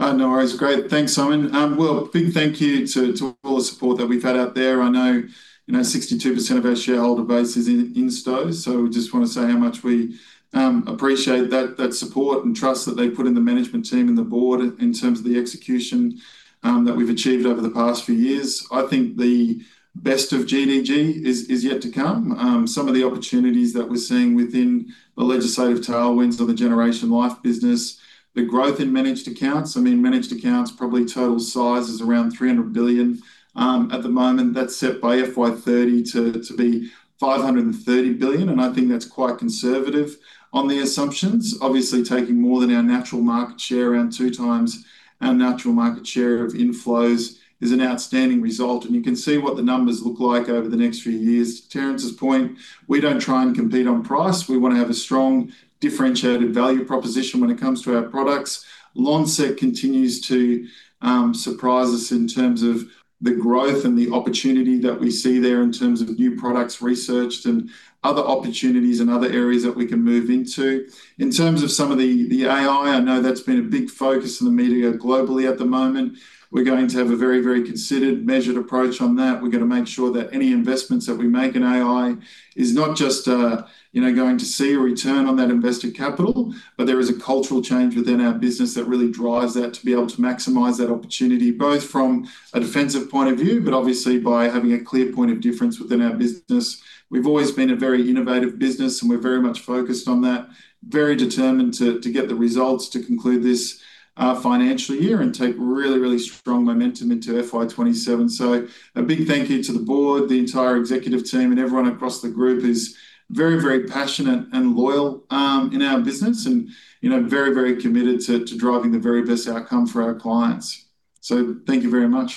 No worries. Great. Thanks, Simon. Well, a big thank you to all the support that we've had out there. I know, you know, 62% of our shareholder base is in stow, so we just want to say how much we appreciate that support and trust that they put in the management team and the board in terms of the execution that we've achieved over the past few years. I think the best of GDG is yet to come. Some of the opportunities that we're seeing within the legislative tailwinds or the Generation Life business, the growth in managed accounts, I mean, managed accounts, probably total size is around 300 billion. At the moment, that's set by FY 2030 to be 530 billion, and I think that's quite conservative on the assumptions. Obviously, taking more than our natural market share, around two times our natural market share of inflows, is an outstanding result, and you can see what the numbers look like over the next few years. Terence's point, we don't try and compete on price. We want to have a strong, differentiated value proposition when it comes to our products. Lonsec continues to surprise us in terms of the growth and the opportunity that we see there in terms of new products researched and other opportunities and other areas that we can move into. In terms of some of the AI, I know that's been a big focus in the media globally at the moment. We're going to have a very, very considered, measured approach on that. We're going to make sure that any investments that we make in AI is not just, you know, going to see a return on that invested capital, but there is a cultural change within our business that really drives that, to be able to maximize that opportunity, both from a defensive point of view, but obviously by having a clear point of difference within our business. We've always been a very innovative business, and we're very much focused on that. Very determined to get the results, to conclude this financial year and take really strong momentum into FY 2027. A big thank you to the board. The entire executive team and everyone across the Group is very passionate and loyal, in our business and, you know, very committed to driving the very best outcome for our clients. Thank you very much.